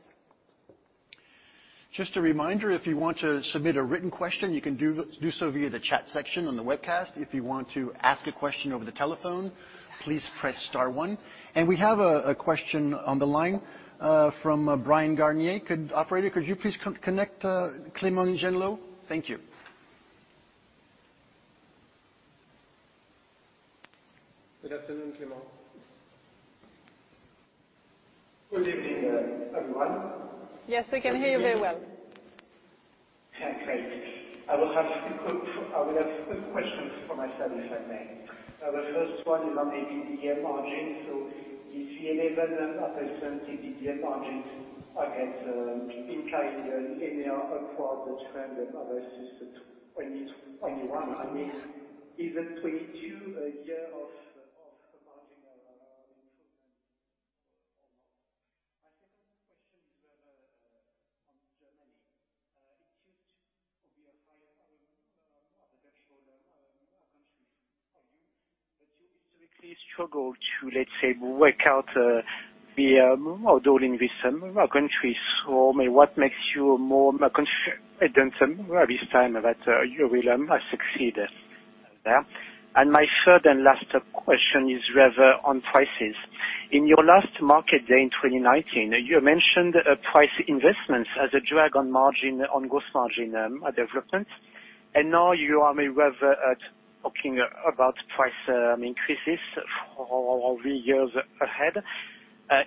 Just a reminder, if you want to submit a written question, you can do so via the chat section on the webcast. If you want to ask a question over the telephone, please press star one. We have a question on the line from Bryan Garnier. Operator, could you please connect Clément Genelot? Thank you. Good afternoon, Clément. Good evening, everyone. Yes, we can hear you very well. I will have quick questions for myself if I may. The first one is on EBITDA margin. Is the 11% EBITDA margin against 2021 in line linearly across the trend of versus 2021? I mean, even 2022, a year of margin around [inaudible] Struggle to work out the model in recent countries, or maybe what makes you more confident this time that you will succeed there. My third and last question is rather on prices. In your last Capital Markets Day in 2019, you mentioned price investments as a drag on gross margin development, and now you may rather be talking about price increases for all the years ahead.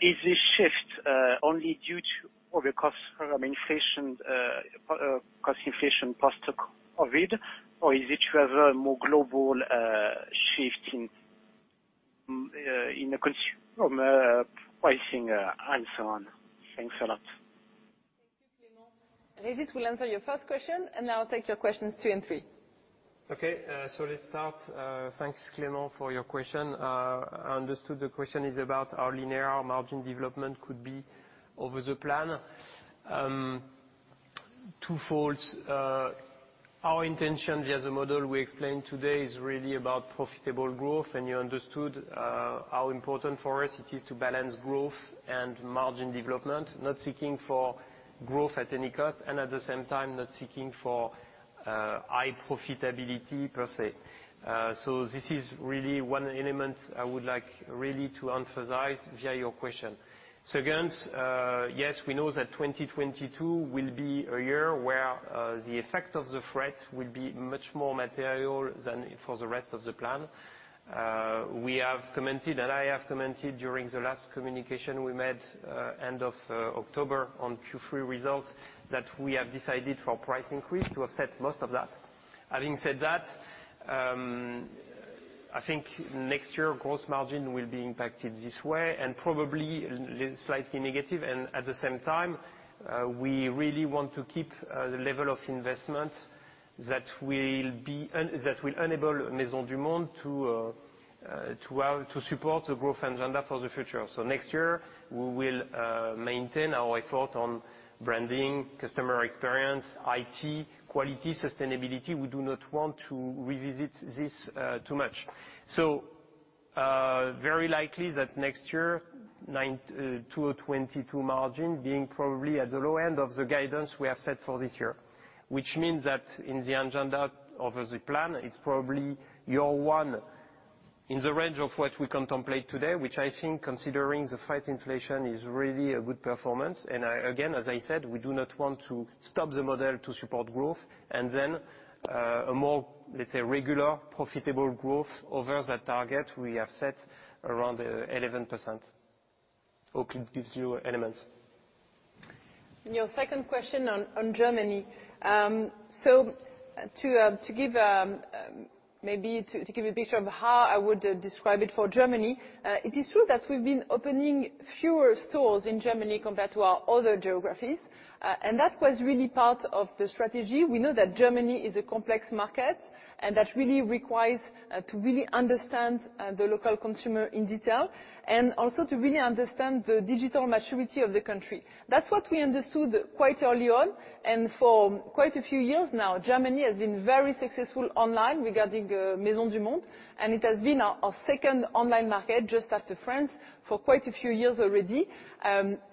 Is this shift only due to higher cost from inflation, cost inflation post-COVID, or is it rather a more global shift in pricing and so on? Thanks a lot. Thank you, Clément. Régis will answer your first question, and I'll take your questions two and three. Okay, let's start. Thanks, Clément, for your question. I understood the question is about how our linear margin development could be over the plan. Twofold. Our intention via the model we explained today is really about profitable growth, and you understood how important for us it is to balance growth and margin development. Not seeking for growth at any cost, and at the same time not seeking for high profitability per se. This is really one element I would like really to emphasize via your question. Second, yes, we know that 2022 will be a year where the effect of the freight will be much more material than for the rest of the plan. We have commented, and I have commented during the last communication we made, end of October on Q3 results, that we have decided for price increase to offset most of that. Having said that, I think next year gross margin will be impacted this way and probably slightly negative. At the same time, we really want to keep the level of investment that will enable Maisons du Monde to support the growth agenda for the future. Next year we will maintain our effort on branding, customer experience, IT, quality, sustainability. We do not want to revisit this too much. Very likely that next year, 2022 margin being probably at the low end of the guidance we have set for this year. Which means that in the agenda of the plan it's probably year one in the range of what we contemplate today, which I think considering the fight against inflation is really a good performance. Again, as I said, we do not want to stop the model to support growth. Then, a more, let's say, regular profitable growth over the target we have set around 11%. Hope it gives you elements. Your second question on Germany. So to give maybe a picture of how I would describe it for Germany, it is true that we've been opening fewer stores in Germany compared to our other geographies, and that was really part of the strategy. We know that Germany is a complex market, and that really requires to really understand the local consumer in detail, and also to really understand the digital maturity of the country. That's what we understood quite early on. For quite a few years now, Germany has been very successful online regarding Maisons du Monde, and it has been our second online market just after France for quite a few years already.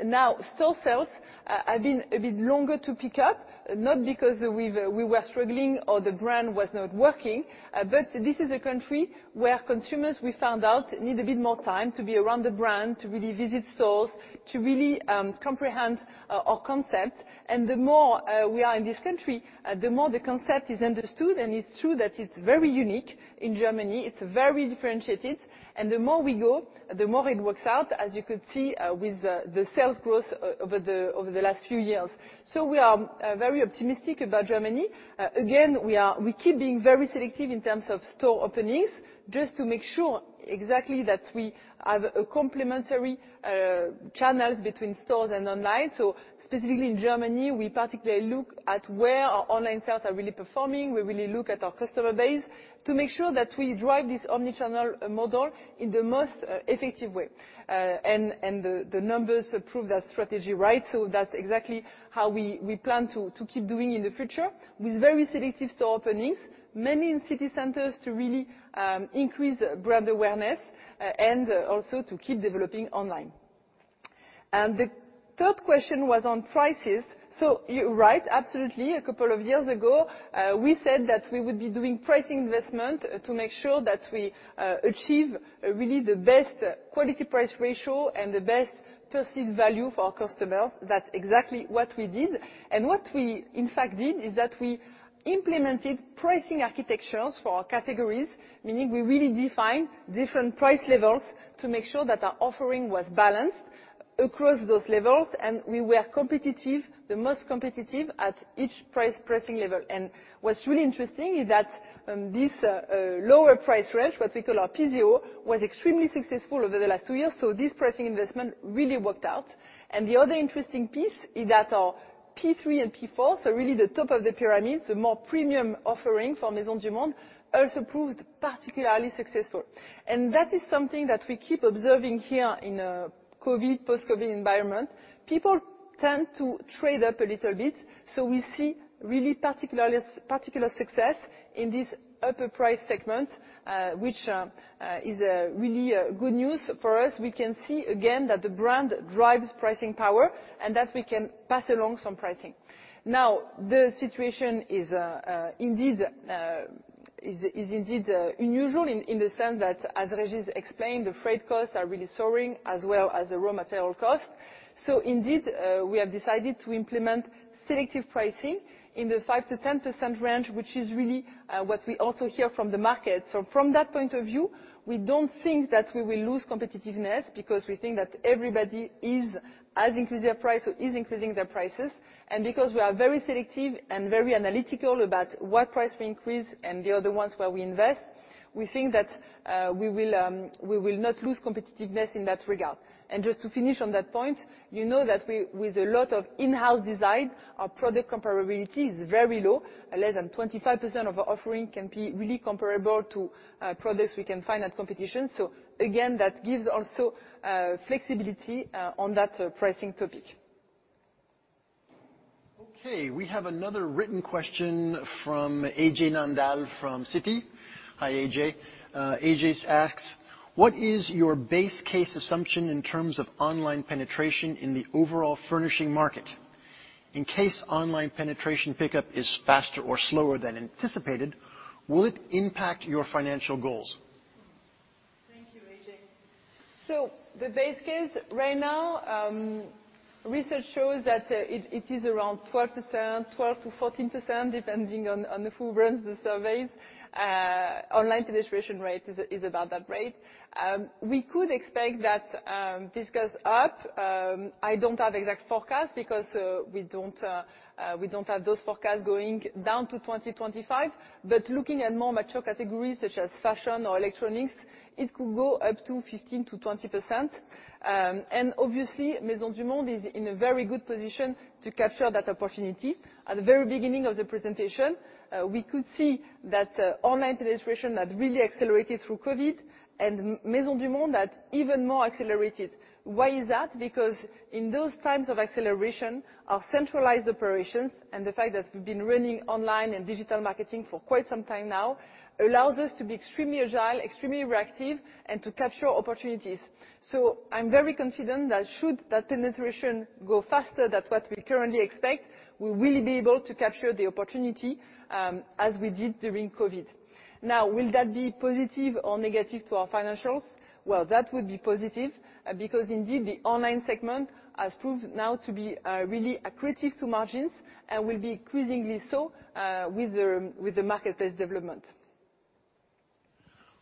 Now, store sales have been a bit longer to pick up, not because we were struggling or the brand was not working, but this is a country where consumers, we found out, need a bit more time to be around the brand, to really visit stores, to really comprehend our concept. The more we are in this country, the more the concept is understood. It's true that it's very unique in Germany. It's very differentiated, and the more we go, the more it works out, as you could see, with the sales growth over the last few years. We are very optimistic about Germany. Again, we keep being very selective in terms of store openings, just to make sure exactly that we have a complementary channels between stores and online. Specifically in Germany, we particularly look at where our online sales are really performing. We really look at our customer base to make sure that we drive this omnichannel model in the most effective way. The numbers prove that strategy right, so that's exactly how we plan to keep doing in the future with very selective store openings, mainly in city centers to really increase brand awareness and also to keep developing online. The third question was on prices. You're right, absolutely. A couple of years ago, we said that we would be doing price investment to make sure that we achieve really the best quality-price ratio and the best perceived value for our customers. That's exactly what we did. What we in fact did is that we implemented pricing architectures for our categories. Meaning we really defined different price levels to make sure that our offering was balanced across those levels, and we were competitive, the most competitive at each price pricing level. What's really interesting is that this lower price range, what we call our PZO, was extremely successful over the last two years. This pricing investment really worked out. The other interesting piece is that our P3 and P4, so really the top of the pyramid, the more premium offering for Maisons du Monde, also proved particularly successful. That is something that we keep observing here in a COVID, post-COVID environment. People tend to trade up a little bit, so we see really particular success in this upper price segment, which is really good news for us. We can see again that the brand drives pricing power and that we can pass along some pricing. Now, the situation is indeed unusual in the sense that, as Régis explained, the freight costs are really soaring as well as the raw material cost. Indeed, we have decided to implement selective pricing in the 5%-10% range, which is really what we also hear from the market. From that point of view, we don't think that we will lose competitiveness, because we think that everybody has increased their price or is increasing their prices. Because we are very selective and very analytical about what price we increase and the other ones where we invest, we think that we will not lose competitiveness in that regard. Just to finish on that point, you know that we, with a lot of in-house design, our product comparability is very low. Less than 25% of our offering can be really comparable to products we can find at competition. Again, that gives also flexibility on that pricing topic. Okay, we have another written question from Ajay Nandlal from Citi. Hi, AJ. AJ asks, "What is your base case assumption in terms of online penetration in the overall furnishing market? In case online penetration pickup is faster or slower than anticipated, will it impact your financial goals? Thank you, Ajay Nandlal. The base case right now, research shows that it is around 12%, 12%-14%, depending on who runs the surveys. Online penetration rate is about that rate. We could expect that this goes up. I don't have exact forecast because we don't have those forecasts going down to 2025. Looking at more mature categories such as fashion or electronics, it could go up to 15%-20%. Obviously, Maisons du Monde is in a very good position to capture that opportunity. At the very beginning of the presentation, we could see that online penetration had really accelerated through COVID and Maisons du Monde had even more accelerated. Why is that? Because in those times of acceleration, our centralized operations and the fact that we've been running online and digital marketing for quite some time now allows us to be extremely agile, extremely reactive, and to capture opportunities. I'm very confident that should that penetration go faster than what we currently expect, we will be able to capture the opportunity, as we did during COVID. Now, will that be positive or negative to our financials? Well, that would be positive because indeed the online segment has proved now to be really accretive to margins and will be increasingly so, with the marketplace development.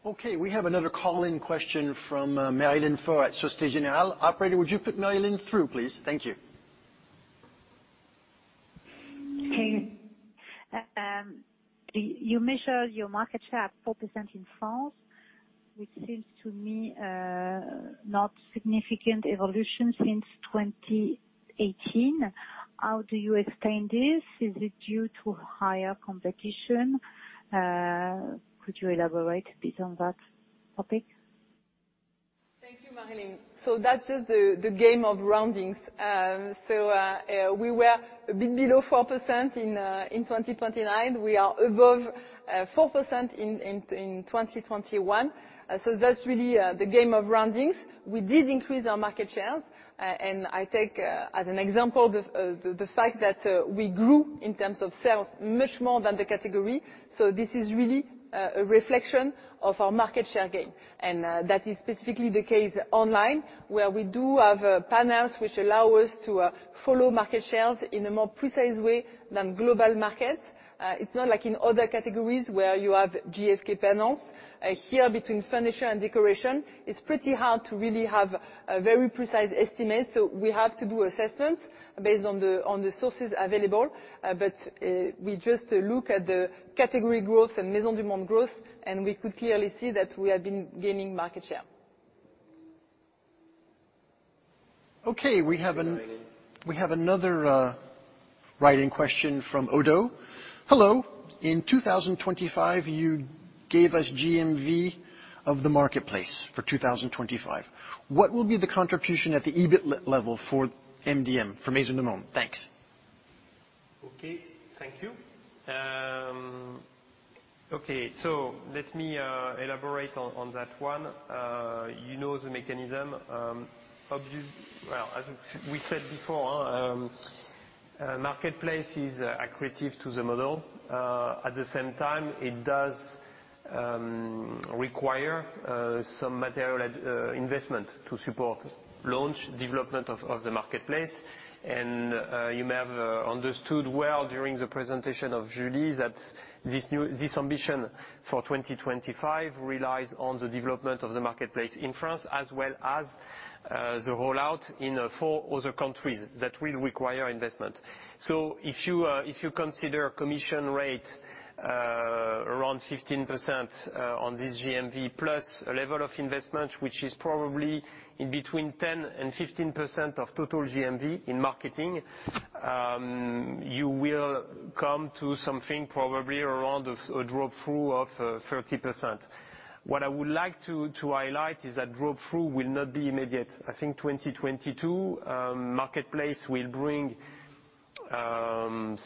Okay, we have another call-in question from Maryline Faur at Société Générale. Operator, would you put Marilyn through, please? Thank you. Okay. You measure your market share at 4% in France, which seems to me not significant evolution since 2018. How do you explain this? Is it due to higher competition? Could you elaborate a bit on that topic? Thank you, Marilyn. That's just the game of roundings. We were a bit below 4% in 2019. We are above 4% in 2021. That's really the game of roundings. We did increase our market shares, and I take as an example the fact that we grew in terms of sales much more than the category. This is really a reflection of our market share gain. That is specifically the case online, where we do have panels which allow us to follow market shares in a more precise way than global markets. It's not like in other categories where you have GfK panels. Here between furniture and decoration, it's pretty hard to really have a very precise estimate, so we have to do assessments based on the sources available. We just look at the category growth and Maisons du Monde growth, and we could clearly see that we have been gaining market share. Okay. We have Thanks, Marilyn. We have another write-in question from Oddo. Hello. In 2025, you gave us GMV of the marketplace for 2025. What will be the contribution at the EBIT level for MDM, for Maisons du Monde? Thanks. Okay, thank you. Okay, so let me elaborate on that one. You know the mechanism. Well, as we said before, marketplace is accretive to the model. At the same time, it does require some material and investment to support launch, development of the marketplace. You may have understood well during the presentation of Julie that this new ambition for 2025 relies on the development of the marketplace in France as well as the rollout in 4 other countries that will require investment. If you consider commission rate around 15% on this GMV, plus a level of investment which is probably in between 10%-15% of total GMV in marketing, you will come to something probably around a drop-through of 30%. What I would like to highlight is that drop-through will not be immediate. I think 2022 marketplace will bring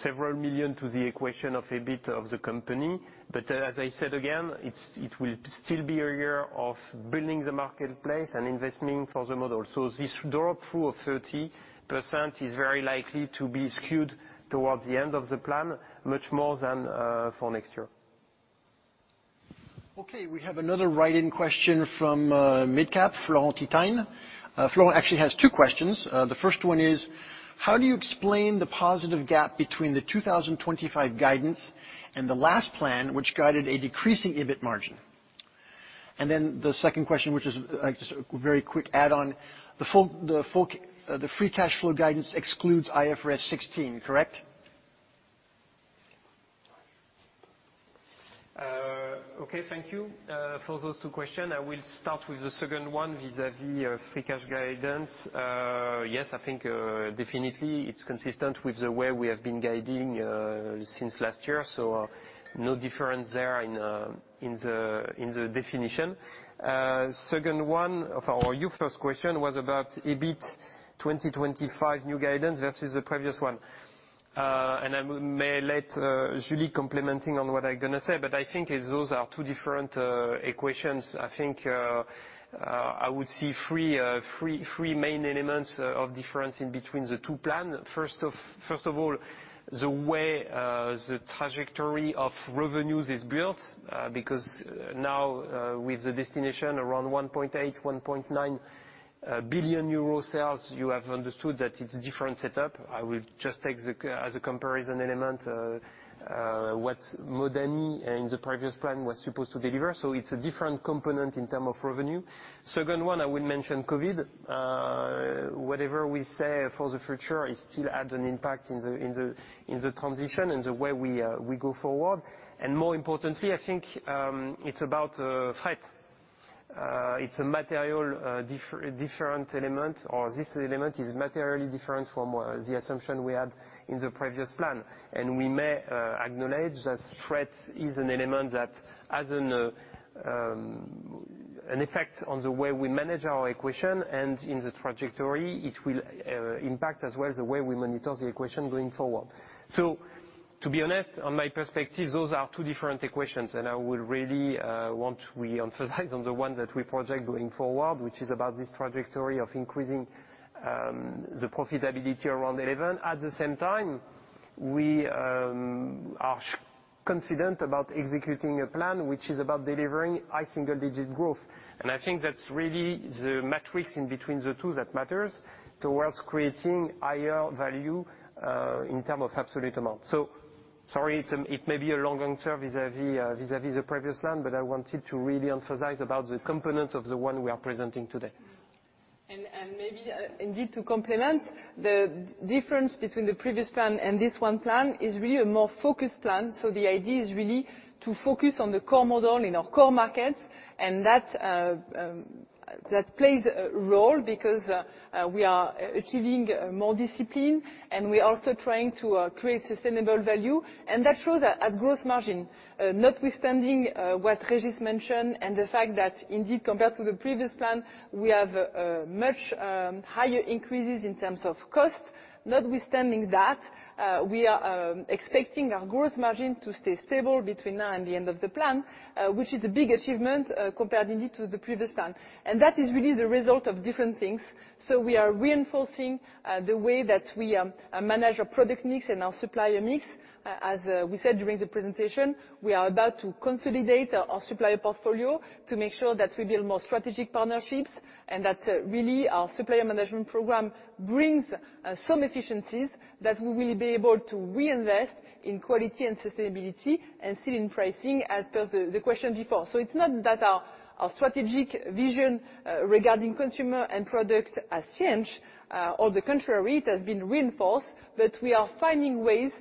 several million EUR to the equation of EBIT of the company. As I said again, it will still be a year of building the marketplace and investing for the model. This drop-through of 30% is very likely to be skewed towards the end of the plan much more than for next year. Okay, we have another write-in question from Midcap, Florent Thy-Tine. Florent actually has two questions. The first one is: how do you explain the positive gap between the 2025 guidance and the last plan, which guided a decreasing EBIT margin? And then the second question, which is like just a very quick add-on. The free cash flow guidance excludes IFRS 16, correct? Okay, thank you. For those two questions, I will start with the second one vis-à-vis free cash guidance. Yes, I think definitely it's consistent with the way we have been guiding since last year, so no difference there in the definition. Second one or your first question was about EBIT 2025 new guidance versus the previous one. I may let Julie complement on what I'm gonna say, but I think those are two different equations. I think I would see three main elements of difference between the two plans. First of all, the way the trajectory of revenues is built, because now, with the destination around 1.8 billion-1.9 billion euro sales, you have understood that it's a different setup. I will just take as a comparison element what Modani in the previous plan was supposed to deliver. It's a different component in terms of revenue. Second one, I will mention COVID. Whatever we say for the future, it still has an impact in the transition and the way we go forward. More importantly, I think, it's about freight. It's a materially different element, or this element is materially different from the assumption we had in the previous plan. We may acknowledge that freight is an element that has an effect on the way we manage our equation and in the trajectory it will impact as well the way we monitor the equation going forward. To be honest, on my perspective, those are two different equations, and I would really want we emphasize on the one that we project going forward, which is about this trajectory of increasing the profitability around 11%. At the same time, we are confident about executing a plan which is about delivering high single-digit% growth. I think that's really the metric in between the two that matters towards creating higher value in term of absolute amount. Sorry, it may be a long answer vis-à-vis the previous plan, but I wanted to really emphasize about the components of the one we are presenting today. Maybe indeed to complement, the difference between the previous plan and this one plan is really a more focused plan. The idea is really to focus on the core model in our core market, and that plays a role because we are achieving more discipline, and we're also trying to create sustainable value. That shows at gross margin. Notwithstanding what Régis mentioned and the fact that indeed, compared to the previous plan, we have much higher increases in terms of cost. Notwithstanding that, we are expecting our gross margin to stay stable between now and the end of the plan, which is a big achievement compared indeed to the previous plan. That is really the result of different things. We are reinforcing the way that we manage our product mix and our supplier mix. As we said during the presentation, we are about to consolidate our supplier portfolio to make sure that we build more strategic partnerships and that really our supplier management program brings some efficiencies that we will be able to reinvest in quality and sustainability and still in pricing as per the question before. It's not that our strategic vision regarding consumer and product has changed. On the contrary, it has been reinforced, but we are finding ways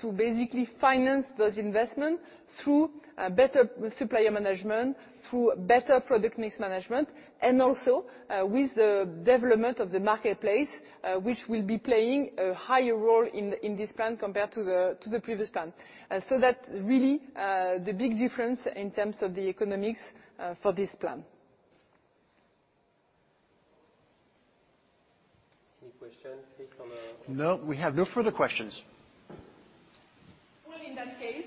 to basically finance those investment through better supplier management, through better product mix management, and also with the development of the marketplace, which will be playing a higher role in this plan compared to the previous plan. That's really the big difference in terms of the economics for this plan. Any question, please on, No, we have no further questions. Well, in that case,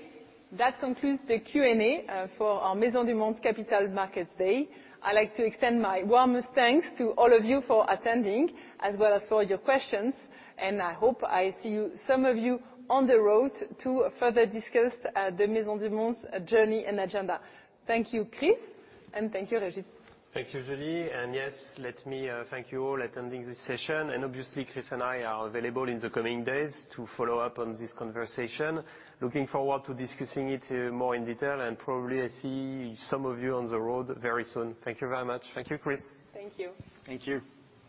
that concludes the Q&A for our Maisons du Monde Capital Markets Day. I'd like to extend my warmest thanks to all of you for attending, as well as for your questions, and I hope I see you, some of you on the road to further discuss the Maisons du Monde journey and agenda. Thank you, Chris, and thank you, Régis. Thank you, Julie. Yes, let me thank you all for attending this session. Obviously, Chris and I are available in the coming days to follow up on this conversation. Looking forward to discussing it more in detail, and probably I see some of you on the road very soon. Thank you very much. Thank you, Chris. Thank you. Thank you.